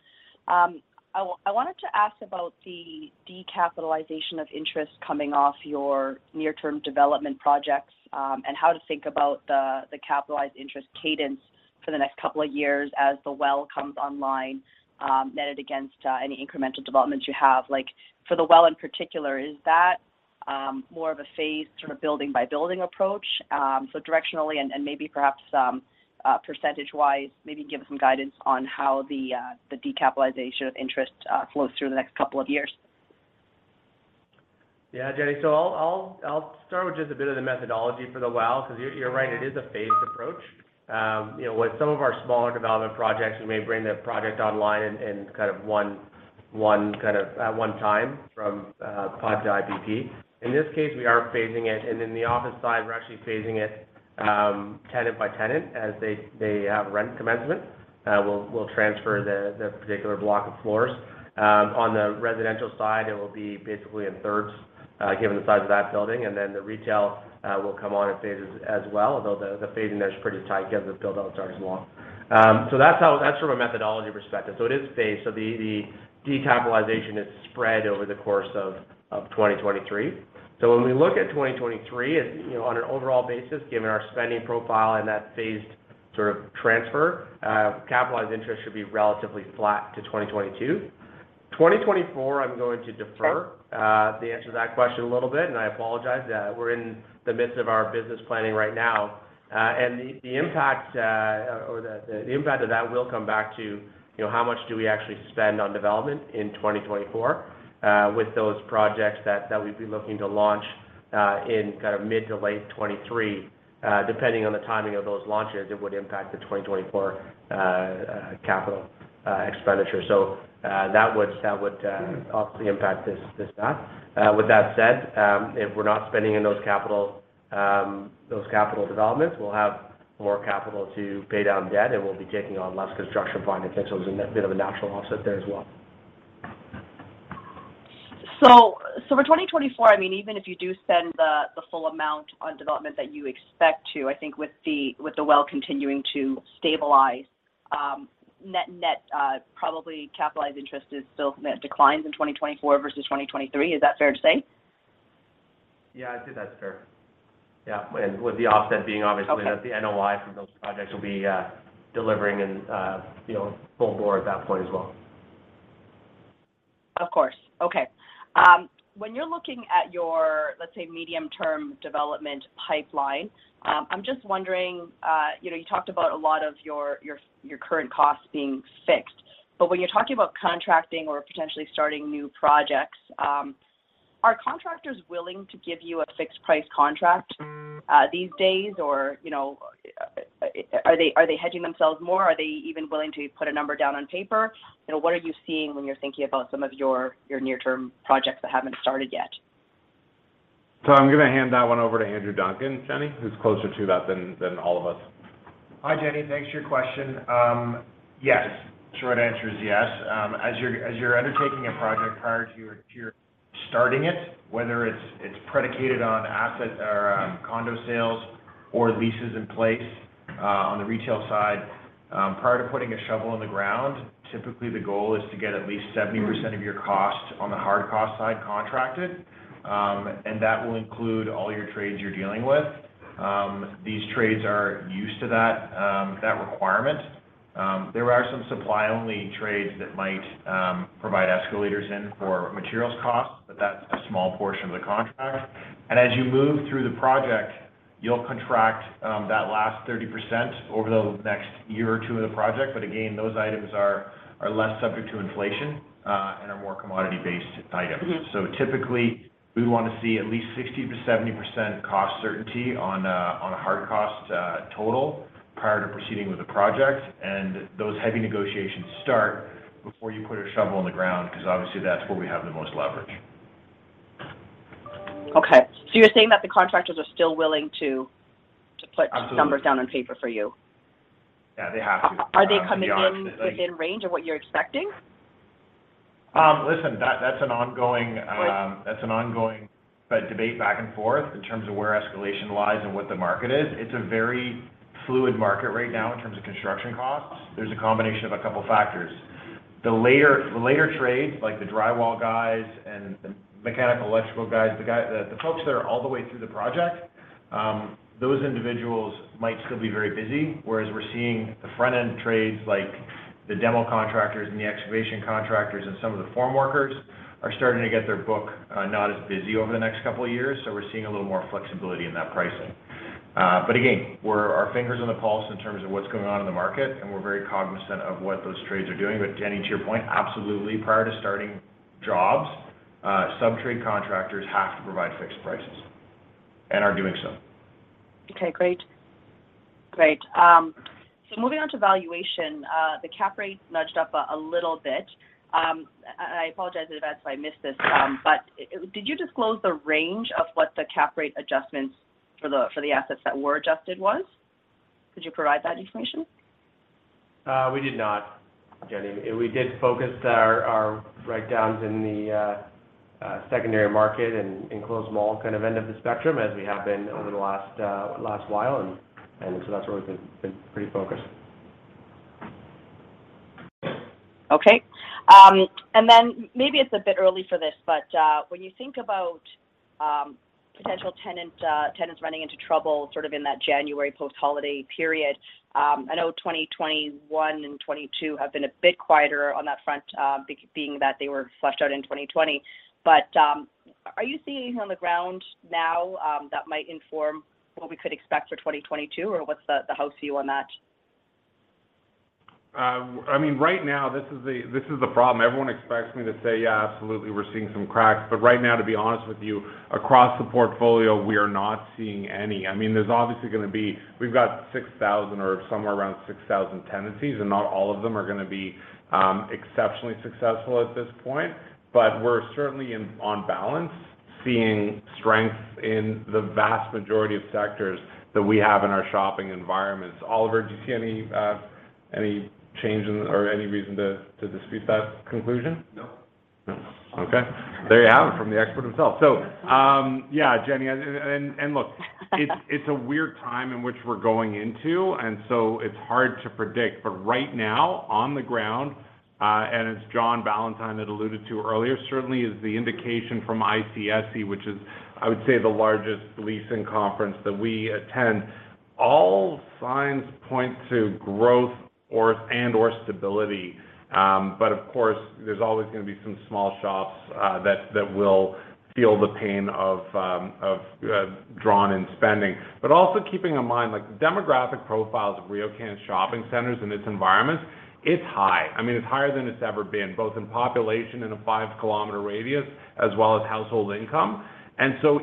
I wanted to ask about the decapitalization of interest coming off your near-term development projects, and how to think about the capitalized interest cadence for the next couple of years as The Well comes online, netted against any incremental developments you have. Like, for The Well in particular, is that more of a phased sort of building-by-building approach? Directionally and maybe perhaps, percentage-wise, maybe give some guidance on how the decapitalization of interest flows through the next couple of years. Yeah, Jenny. I'll start with just a bit of the methodology for The Well because you're right, it is a phased approach. You know, with some of our smaller development projects, we may bring the project online in kind of one time from pod to IBP. In this case, we are phasing it. In the office side, we're actually phasing it tenant by tenant. As they have rent commencement, we'll transfer the particular block of floors. On the residential side, it will be basically in thirds given the size of that building. The retail will come on in phases as well, although the phasing there is pretty tight given the build-out starts long. That's from a methodology perspective. It is phased. The decapitalization is spread over the course of 2023. When we look at 2023, it's, you know, on an overall basis, given our spending profile and that phased sort of transfer, capitalized interest should be relatively flat to 2022. 2024, I'm going to defer the answer to that question a little bit, and I apologize. We're in the midst of our business planning right now. The impact of that will come back to, you know, how much do we actually spend on development in 2024 with those projects that we'd be looking to launch in kind of mid to late 2023. Depending on the timing of those launches, it would impact the 2024 capital expenditure. That would obviously impact this debt. With that said, if we're not spending on those capital developments, we'll have more capital to pay down debt, and we'll be taking on less construction financings, so there's a bit of a natural offset there as well. For 2024, I mean, even if you do spend the full amount on development that you expect to, I think with the well continuing to stabilize, net probably capitalized interest is still net declines in 2024 versus 2023. Is that fair to say? Yeah, I'd say that's fair. Yeah, with the offset being obviously. Okay. That the NOI from those projects will be delivering and, you know, full bore at that point as well. Of course. Okay. When you're looking at your, let's say, medium-term development pipeline, I'm just wondering, you know, you talked about a lot of your current costs being fixed. But when you're talking about contracting or potentially starting new projects, are contractors willing to give you a fixed price contract these days? Or, you know, are they hedging themselves more? Are they even willing to put a number down on paper? You know, what are you seeing when you're thinking about some of your near-term projects that haven't started yet? I'm gonna hand that one over to Andrew Duncan, Jenny, who's closer to that than all of us. Hi, Jenny. Thanks for your question. Yes. Short answer is yes. As you're undertaking a project, prior to you starting it, whether it's predicated on asset or condo sales or leases in place, on the retail side, prior to putting a shovel in the ground, typically the goal is to get at least 70% of your cost on the hard cost side contracted. That will include all your trades you're dealing with. These trades are used to that requirement. There are some supply-only trades that might provide escalators in for materials costs, but that's a small portion of the contract. As you move through the project, you'll contract that last 30% over the next year or two of the project. Again, those items are less subject to inflation, and are more commodity-based items. Typically, we wanna see at least 60%-70% cost certainty on a hard cost total prior to proceeding with the project. Those heavy negotiations start before you put a shovel in the ground, because obviously that's where we have the most leverage. Okay. You're saying that the contractors are still willing to put- Absolutely. Numbers down on paper for you? Yeah, they have to. Are they coming in within range of what you're expecting? Listen, that's an ongoing debate back and forth in terms of where escalation lies and what the market is. It's a very fluid market right now in terms of construction costs. There's a combination of a couple factors. The later trades, like the drywall guys and the mechanical electrical guys, the folks that are all the way through the project, those individuals might still be very busy. Whereas we're seeing the front-end trades, like the demo contractors and the excavation contractors and some of the form workers, are starting to get their book not as busy over the next couple of years, so we're seeing a little more flexibility in that pricing. Our finger's on the pulse in terms of what's going on in the market, and we're very cognizant of what those trades are doing. Jenny, to your point, absolutely, prior to starting jobs, subtrade contractors have to provide fixed prices and are doing so. Okay, great. Moving on to valuation, the cap rate's nudged up a little bit. I apologize in advance if I miss this, but did you disclose the range of what the cap rate adjustments for the assets that were adjusted was? Could you provide that information? We did not, Jenny. We did focus our write-downs in the secondary market and enclosed mall kind of end of the spectrum as we have been over the last while. That's where we've been pretty focused. Okay. Then maybe it's a bit early for this, but when you think about potential tenant tenants running into trouble sort of in that January post-holiday period, I know 2021 and 2022 have been a bit quieter on that front, being that they were flushed out in 2020. Are you seeing anything on the ground now that might inform what we could expect for 2022, or what's the house view on that? I mean, right now this is the problem. Everyone expects me to say, "Yeah, absolutely, we're seeing some cracks." Right now, to be honest with you, across the portfolio, we are not seeing any. I mean, there's obviously gonna be. We've got 6,000 or somewhere around 6,000 tenancies, and not all of them are gonna be exceptionally successful at this point. We're certainly, on balance, seeing strength in the vast majority of sectors that we have in our shopping environments. Oliver, do you see any change in or any reason to dispute that conclusion? No. No. Okay. There you have it from the expert himself. Yeah, Jenny, and look, it's a weird time in which we're going into, and so it's hard to predict. Right now, on the ground, and as John Ballantyne had alluded to earlier, certainly is the indication from ICSC, which is, I would say, the largest leasing conference that we attend. All signs point to growth or and/or stability. Of course, there's always gonna be some small shops that will feel the pain of drawn-in spending. Also keeping in mind, like demographic profiles of RioCan's shopping centers and its environments, it's high. I mean, it's higher than it's ever been, both in population in a five-kilometer radius as well as household income.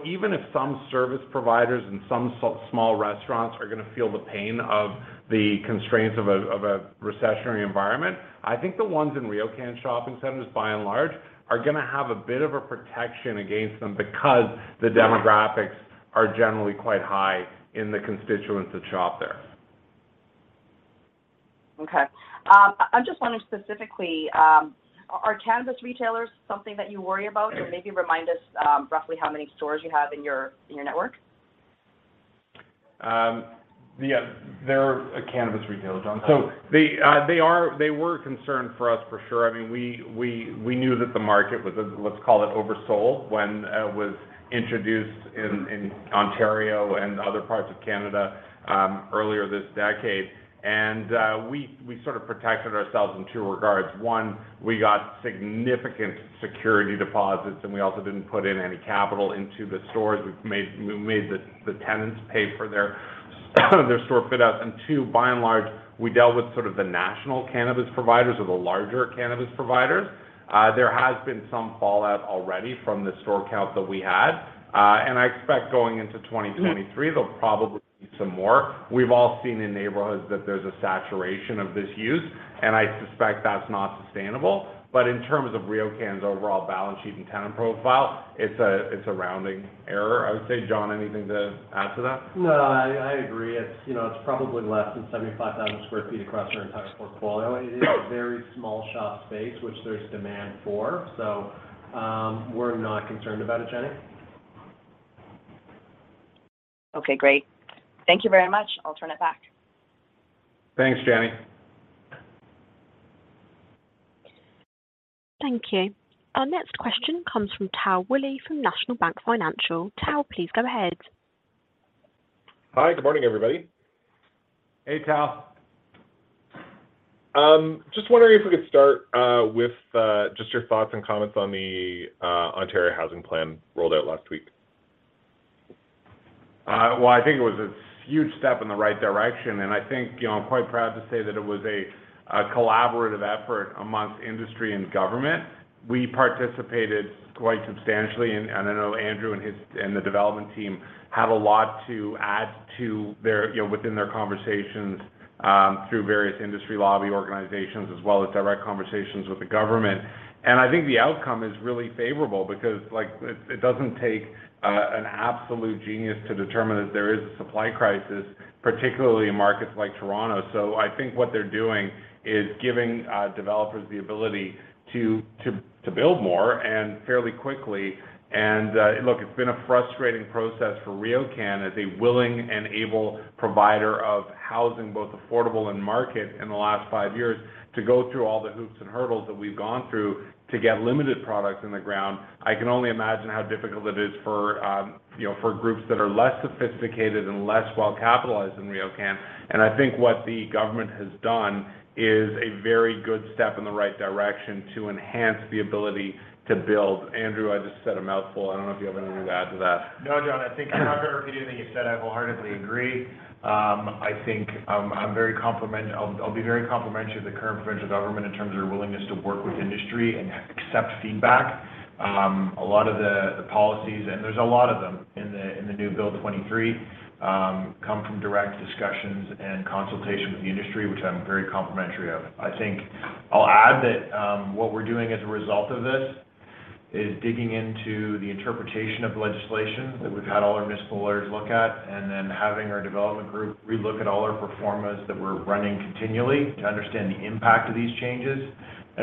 Even if some service providers and some small restaurants are gonna feel the pain of the constraints of a recessionary environment, I think the ones in RioCan shopping centers, by and large, are gonna have a bit of a protection against them because the demographics are generally quite high in the constituents that shop there. Okay. I'm just wondering specifically, are cannabis retailers something that you worry about? Maybe remind us, roughly how many stores you have in your network? There are cannabis retailers, Jen. They were a concern for us for sure. I mean, we knew that the market was, let's call it oversold when it was introduced in Ontario and other parts of Canada earlier this decade. We sort of protected ourselves in two regards. One, we got significant security deposits, and we also didn't put in any capital into the stores. We made the tenants pay for their store fit out. Two, by and large, we dealt with sort of the national cannabis providers or the larger cannabis providers. There has been some fallout already from the store count that we had. I expect going into 2023, there'll probably be some more. We've all seen in neighborhoods that there's a saturation of this use, and I suspect that's not sustainable. In terms of RioCan's overall balance sheet and tenant profile, it's a rounding error. I would say, John, anything to add to that? No, I agree. It's, you know, probably less than 75,000 sq ft across our entire portfolio. It is a very small shop space, which there's demand for. We're not concerned about it, Jenny. Okay, great. Thank you very much. I'll turn it back. Thanks, Jenny. Thank you. Our next question comes from Tal Woolley from National Bank Financial. Tal, please go ahead. Hi, good morning, everybody. Hey, Tal. Just wondering if we could start with just your thoughts and comments on the Ontario housing plan rolled out last week? Well, I think it was a huge step in the right direction, and I think, you know, I'm quite proud to say that it was a collaborative effort among industry and government. We participated quite substantially, and I know Andrew and his, and the development team have a lot to add to their, you know, within their conversations through various industry lobby organizations, as well as direct conversations with the government. I think the outcome is really favorable because, like, it doesn't take an absolute genius to determine that there is a supply crisis, particularly in markets like Toronto. I think what they're doing is giving developers the ability to build more and fairly quickly. Look, it's been a frustrating process for RioCan as a willing and able provider of housing, both affordable and market in the last five years, to go through all the hoops and hurdles that we've gone through to get limited products in the ground. I can only imagine how difficult it is for, you know, for groups that are less sophisticated and less well-capitalized than RioCan. I think what the government has done is a very good step in the right direction to enhance the ability to build. Andrew, I just said a mouthful. I don't know if you have anything to add to that. No, Jonathan. I think I'm not going to repeat anything you said. I wholeheartedly agree. I think, I'm very complimentary. I'll be very complimentary to the current provincial government in terms of their willingness to work with industry and accept feedback. A lot of the policies, and there's a lot of them in the new Bill 23, come from direct discussions and consultation with the industry, which I'm very complimentary of. I think I'll add that, what we're doing as a result of this is digging into the interpretation of the legislation that we've had all our municipal lawyers look at, and then having our development group relook at all our performance that we're running continually to understand the impact of these changes.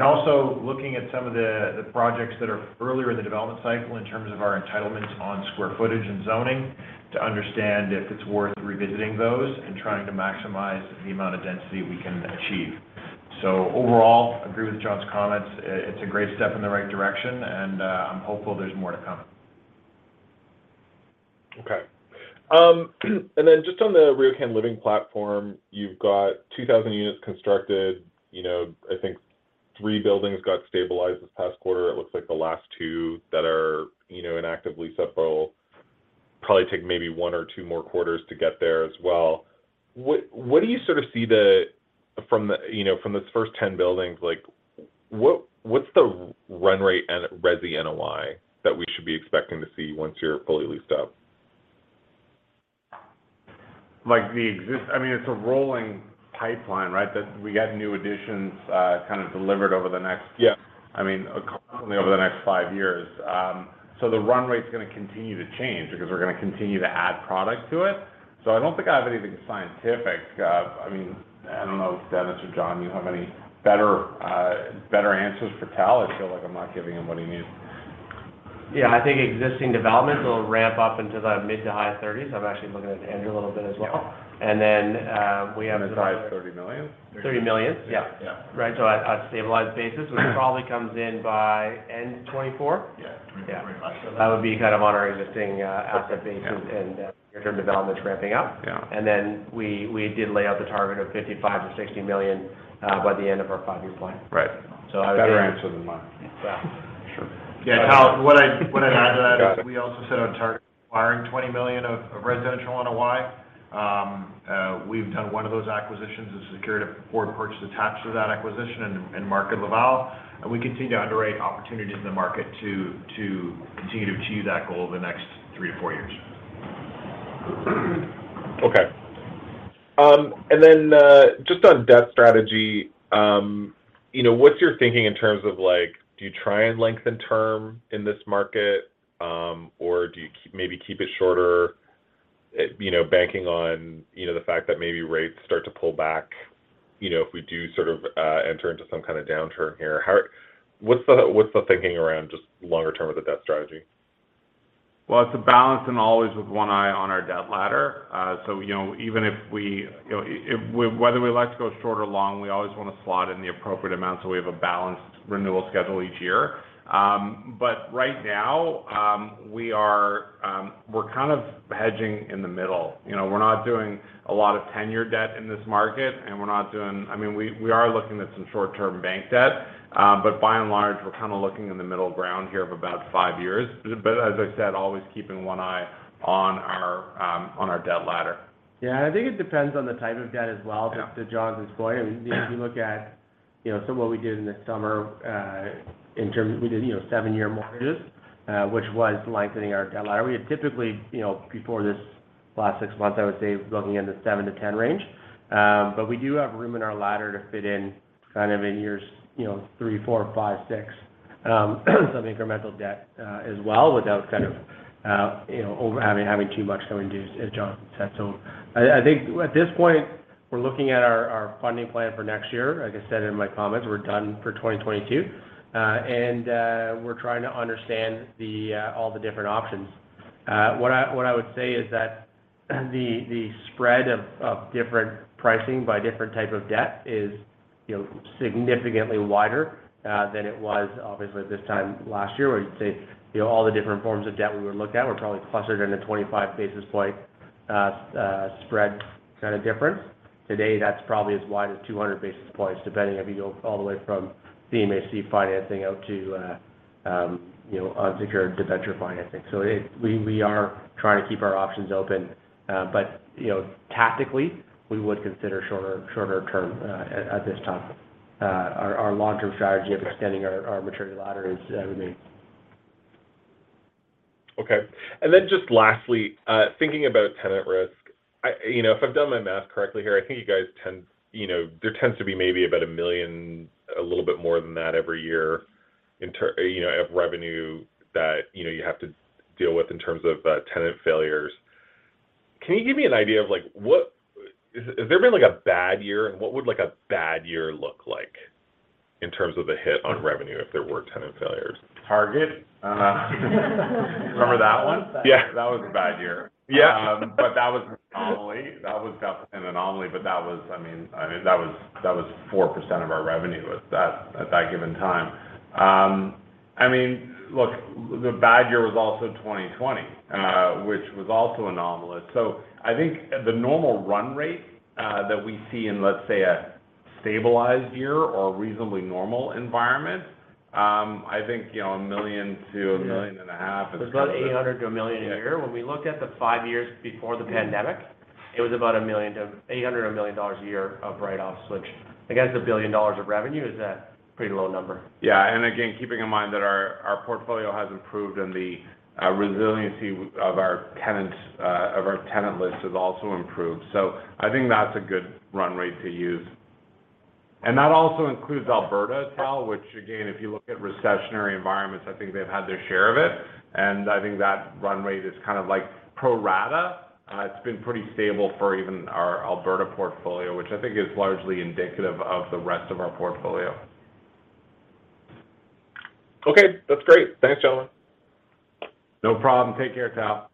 Also looking at some of the projects that are earlier in the development cycle in terms of our entitlements on square footage and zoning to understand if it's worth revisiting those and trying to maximize the amount of density we can achieve. Overall, agree with John's comments. It's a great step in the right direction, and I'm hopeful there's more to come. Okay. Just on the RioCan Living platform, you've got 2,000 units constructed. You know, I think three buildings got stabilized this past quarter. It looks like the last two that are, you know, in actively set for probably take maybe one or two more quarters to get there as well. What do you sort of see from the, you know, from this first 10 buildings, like what's the run rate and resi NOI that we should be expecting to see once you're fully leased up? I mean, it's a rolling pipeline, right? That we get new additions, kind of delivered over the next Yeah. I mean, constantly over the next five years. The run rate is going to continue to change because we're going to continue to add product to it. I don't think I have anything scientific. I mean, I don't know if Dennis or John, you have any better answers for Tal. I feel like I'm not giving him what he needs. Yeah. I think existing developments will ramp up into the mid to high thirties. I'm actually looking at Andrew a little bit as well. And then, uh, we have- In the drive, 30 million. 30 million. Yeah. Yeah. Right. At a stabilized basis, which probably comes in by end 2024. Yeah. Yeah. That would be kind of on our existing asset base and near-term developments ramping up. Yeah. We did lay out the target of 55 million-60 million by the end of our five-year plan. Right. A better answer than mine. Tal, what I'd add to that is we also set a target acquiring 20 million of residential NOI. We've done one of those acquisitions and secured a forward purchase attached to that acquisition in Laval. We continue to underwrite opportunities in the market to continue to achieve that goal the next three to four years. Okay. Just on debt strategy, you know, what's your thinking in terms of like, do you try and lengthen term in this market? Or do you keep, maybe keep it shorter, you know, banking on, you know, the fact that maybe rates start to pull back, you know, if we do sort of enter into some kind of downturn here? What's the thinking around just longer term with the debt strategy? Well, it's a balance and always with one eye on our debt ladder. So, you know, even if we, you know, whether we like to go short or long, we always want to slot in the appropriate amount so we have a balanced renewal schedule each year. But right now, we're kind of hedging in the middle. You know, we're not doing a lot of tenor debt in this market, and we're not doing, I mean, we are looking at some short-term bank debt, but by and large, we're kind of looking in the middle ground here of about five years. But as I said, always keeping one eye on our debt ladder. Yeah. I think it depends on the type of debt as well. Yeah. To Jonathan's point. I mean Yeah. You know, if you look at, you know, some of what we did in the summer. We did, you know, seven-year mortgages, which was lengthening our debt ladder. We had typically, you know, before this last six months, I would say looking in the seven to 10 range. We do have room in our ladder to fit in kind of in years, you know, three, four, five, six, some incremental debt, as well without kind of, you know, over having too much going due, as John said. I think at this point, we're looking at our funding plan for next year. Like I said in my comments, we're done for 2022. We're trying to understand all the different options. What I would say is that the spread of different pricing by different type of debt is, you know, significantly wider than it was obviously at this time last year, where you'd say, you know, all the different forms of debt we would look at were probably clustered in a 25 basis point spread kind of difference. Today, that's probably as wide as 200 basis points, depending if you go all the way from CMHC financing out to, you know, unsecured debenture financing. We are trying to keep our options open. You know, tactically, we would consider shorter term at this time. Our long-term strategy of extending our maturity ladder remains. Okay. Just lastly, thinking about tenant risk, you know, if I've done my math correctly here, I think you guys tend, you know, there tends to be maybe about 1 million, a little bit more than that every year, you know, of revenue that, you know, you have to deal with in terms of tenant failures. Can you give me an idea of like what has there been like a bad year, and what would a bad year look like in terms of the hit on revenue if there were tenant failures? Target. Remember that one? Yeah. That was a bad year. Yeah. That was an anomaly. That was definitely an anomaly, but that was, I mean, that was 4% of our revenue at that given time. I mean, look, the bad year was also 2020, which was also anomalous. I think the normal run rate that we see in, let's say, a stabilized year or a reasonably normal environment, I think, you know, 1 million-1.5 million is kind of the- About 800,000-1 million a year. When we look at the five years before the pandemic, it was about 800,000-1 million a year of write-offs, which, against 1 billion dollars of revenue, is a pretty low number. Yeah. Again, keeping in mind that our portfolio has improved and the resiliency of our tenants, of our tenant list has also improved. I think that's a good run rate to use. That also includes Alberta, Tal, which again, if you look at recessionary environments, I think they've had their share of it. I think that run rate is kind of like pro rata. It's been pretty stable for even our Alberta portfolio, which I think is largely indicative of the rest of our portfolio. Okay. That's great. Thanks, gentlemen. No problem. Take care, Tal.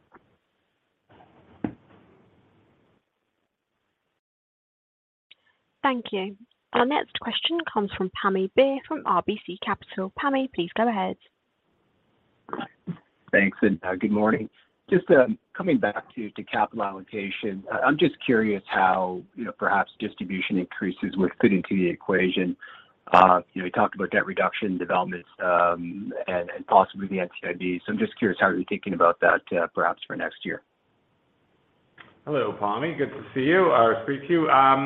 Thank you. Our next question comes from Pammi Bir from RBC Capital. Pammi, please go ahead. Thanks and good morning. Just coming back to capital allocation. I'm just curious how, you know, perhaps distribution increases would fit into the equation. You know, you talked about debt reduction developments, and possibly the NCIB. I'm just curious how are you thinking about that, perhaps for next year? Hello, Pammi. Good to see you, or speak to you. I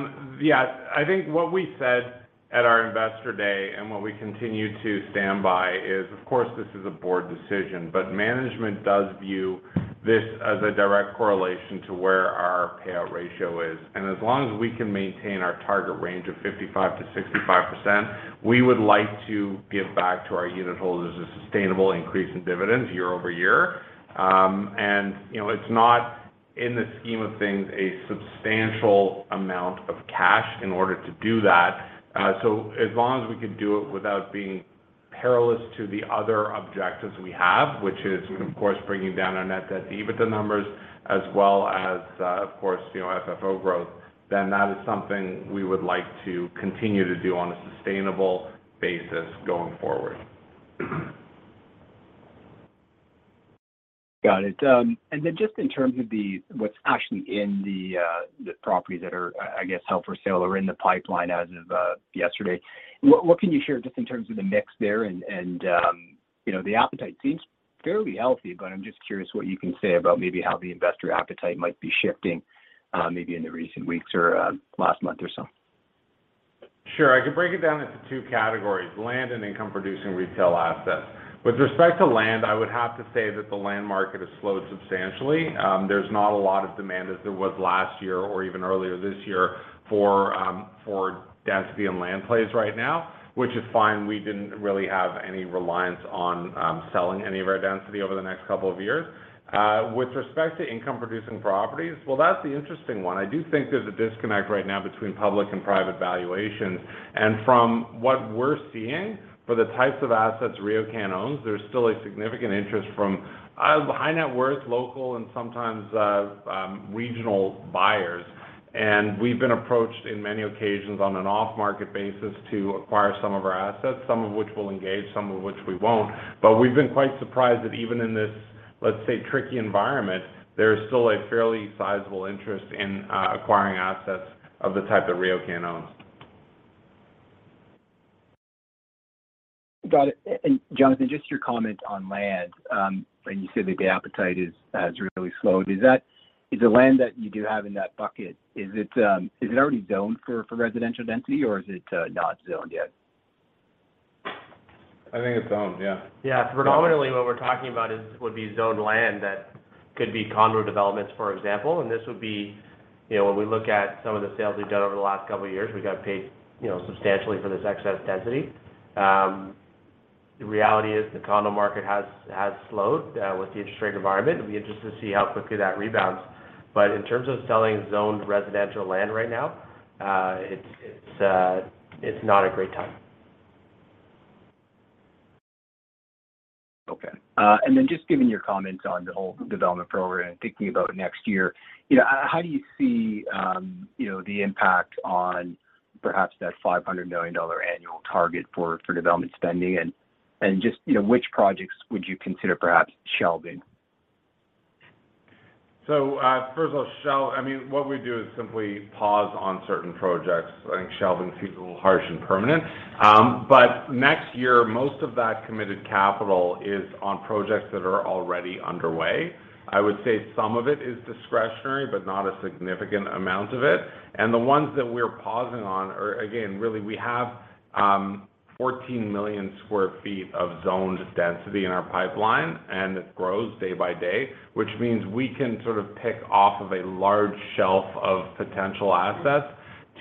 think what we said at our Investor Day and what we continue to stand by is, of course, this is a board decision, but management does view this as a direct correlation to where our payout ratio is. As long as we can maintain our target range of 55%-65%, we would like to give back to our unitholders a sustainable increase in dividends year over year. You know, it's not in the scheme of things a substantial amount of cash in order to do that. As long as we could do it without being perilous to the other objectives we have, which is of course bringing down our net debt to EBITDA numbers as well as, of course, you know, FFO growth, then that is something we would like to continue to do on a sustainable basis going forward. Got it. Then just in terms of what's actually in the properties that are, I guess, held for sale or in the pipeline as of yesterday, what can you share just in terms of the mix there? You know, the appetite seems fairly healthy, but I'm just curious what you can say about maybe how the investor appetite might be shifting, maybe in the recent weeks or last month or so. Sure. I could break it down into two categories, land and income-producing retail assets. With respect to land, I would have to say that the land market has slowed substantially. There's not a lot of demand as there was last year or even earlier this year for density and land plays right now, which is fine. We didn't really have any reliance on selling any of our density over the next couple of years. With respect to income-producing properties, well, that's the interesting one. I do think there's a disconnect right now between public and private valuation. From what we're seeing for the types of assets RioCan owns, there's still a significant interest from high net worth local and sometimes regional buyers. We've been approached in many occasions on an off market basis to acquire some of our assets, some of which we'll engage, some of which we won't. We've been quite surprised that even in this, let's say, tricky environment, there is still a fairly sizable interest in acquiring assets of the type that RioCan owns. Got it. Jonathan, just your comment on land, when you say that the appetite has really slowed, is that the land that you do have in that bucket, is it already zoned for residential density or is it not zoned yet? I think it's zoned, yeah. Yeah. Predominantly, what we're talking about would be zoned land that could be condo developments, for example. This would be, you know, when we look at some of the sales we've done over the last couple of years, we got paid, you know, substantially for this excess density. The reality is the condo market has slowed with the interest rate environment. It'll be interesting to see how quickly that rebounds. In terms of selling zoned residential land right now, it's not a great time. Okay. Just given your comments on the whole development program, thinking about next year, you know, how do you see, you know, the impact on perhaps that 500 million dollar annual target for development spending and just, you know, which projects would you consider perhaps shelving? First of all, what we do is simply pause on certain projects. I think shelving seems a little harsh and permanent. Next year, most of that committed capital is on projects that are already underway. I would say some of it is discretionary, but not a significant amount of it. The ones that we're pausing on are, again, really, we have 14 million sq ft of zoned density in our pipeline, and it grows day by day, which means we can sort of pick off of a large shelf of potential assets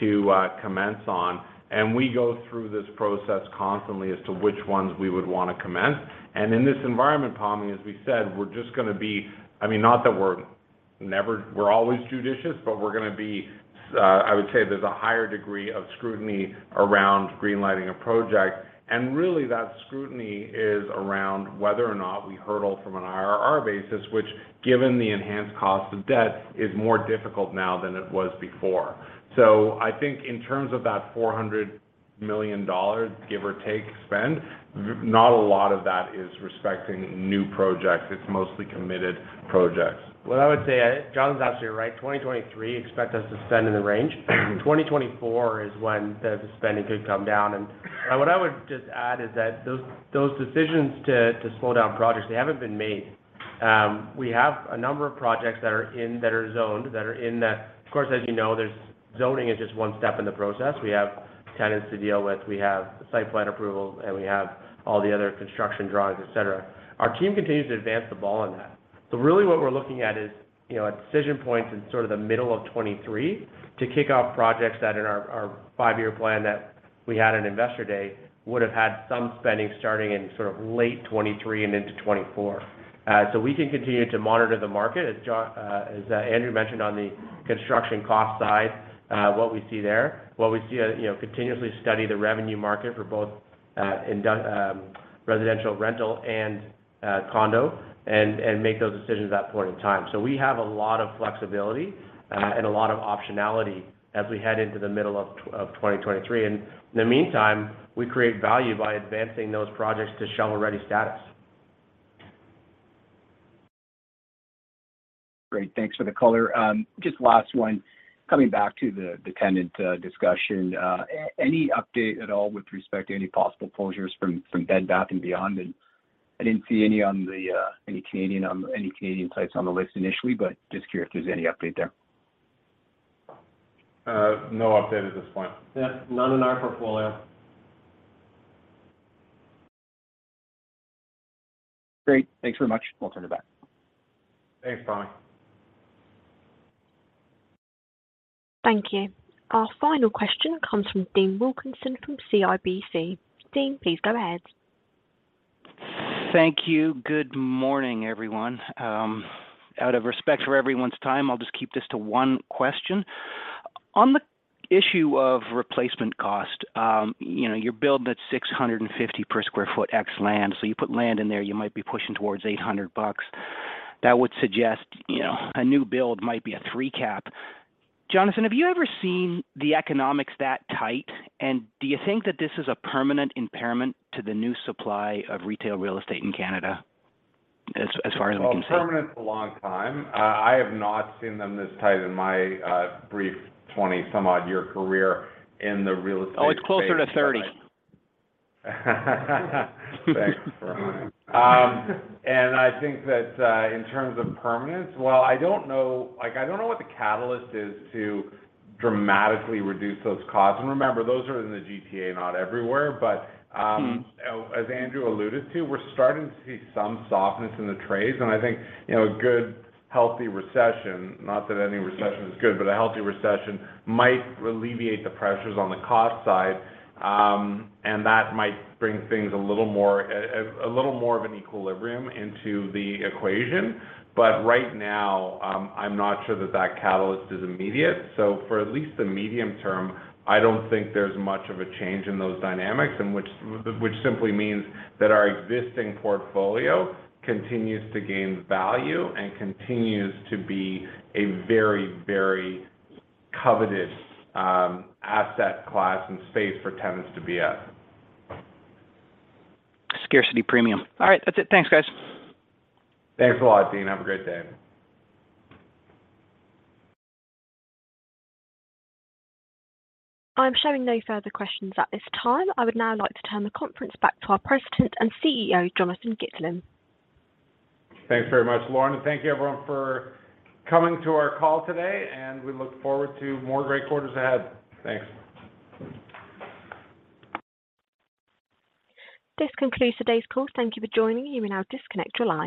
to commence on. We go through this process constantly as to which ones we would wanna commence. In this environment, Pammi, as we said, we're just gonna be. I mean, not that we're always judicious, but we're gonna be. I would say there's a higher degree of scrutiny around green lighting a project. Really that scrutiny is around whether or not we hurdle from an IRR basis, which given the enhanced cost of debt is more difficult now than it was before. I think in terms of that 400 million dollars, give or take, spend. But not a lot of that is representing new projects. It's mostly committed projects. What I would say, Jonathan's absolutely right. 2023, expect us to spend in the range. 2024 is when the spending could come down. What I would just add is that those decisions to slow down projects, they haven't been made. We have a number of projects that are zoned. Of course, as you know, zoning is just one step in the process. We have tenants to deal with, we have site plan approvals, and we have all the other construction drawings, et cetera. Our team continues to advance the ball on that. Really what we're looking at is, you know, at decision points in sort of the middle of 2023 to kick off projects that in our five-year plan that we had at Investor Day would have had some spending starting in sort of late 2023 and into 2024. We can continue to monitor the market, as Andrew mentioned on the construction cost side, what we see there. What we see, you know, continuously study the rental market for both residential rental and condo and make those decisions at that point in time. We have a lot of flexibility and a lot of optionality as we head into the middle of 2023. In the meantime, we create value by advancing those projects to shovel-ready status. Great. Thanks for the color. Just last one. Coming back to the tenant discussion. Any update at all with respect to any possible closures from Bed Bath & Beyond? I didn't see any on any Canadian sites on the list initially, but just curious if there's any update there. No update at this point. Yeah. None in our portfolio. Great. Thanks very much. I'll turn it back. Thanks, Pammi. Thank you. Our final question comes from Dean Wilkinson from CIBC. Dean, please go ahead. Thank you. Good morning, everyone. Out of respect for everyone's time, I'll just keep this to one question. On the issue of replacement cost, you know, you're building at 650 per sq ft ex land. So you put land in there, you might be pushing towards 800 bucks. That would suggest, you know, a new build might be a three cap. Jonathan, have you ever seen the economics that tight? Do you think that this is a permanent impairment to the new supply of retail real estate in Canada as far as we can see? Well, permanent is a long time. I have not seen them this tight in my brief 20-some-odd-year career in the real estate space. Oh, it's closer to 30. Thanks. I think that in terms of permanence, well, I don't know. Like, I don't know what the catalyst is to dramatically reduce those costs. Remember, those are in the GTA, not everywhere. As Andrew alluded to, we're starting to see some softness in the trades. I think, you know, a good, healthy recession, not that any recession is good, but a healthy recession might alleviate the pressures on the cost side. That might bring things a little more of an equilibrium into the equation. Right now, I'm not sure that catalyst is immediate. For at least the medium term, I don't think there's much of a change in those dynamics, which simply means that our existing portfolio continues to gain value and continues to be a very, very coveted asset class and space for tenants to be at. Scarcity premium. All right, that's it. Thanks, guys. Thanks a lot, Dean. Have a great day. I'm showing no further questions at this time. I would now like to turn the conference back to our President and CEO, Jonathan Gitlin. Thanks very much, Lauren. Thank you everyone for coming to our call today, and we look forward to more great quarters ahead. Thanks. This concludes today's call. Thank you for joining. You may now disconnect your line.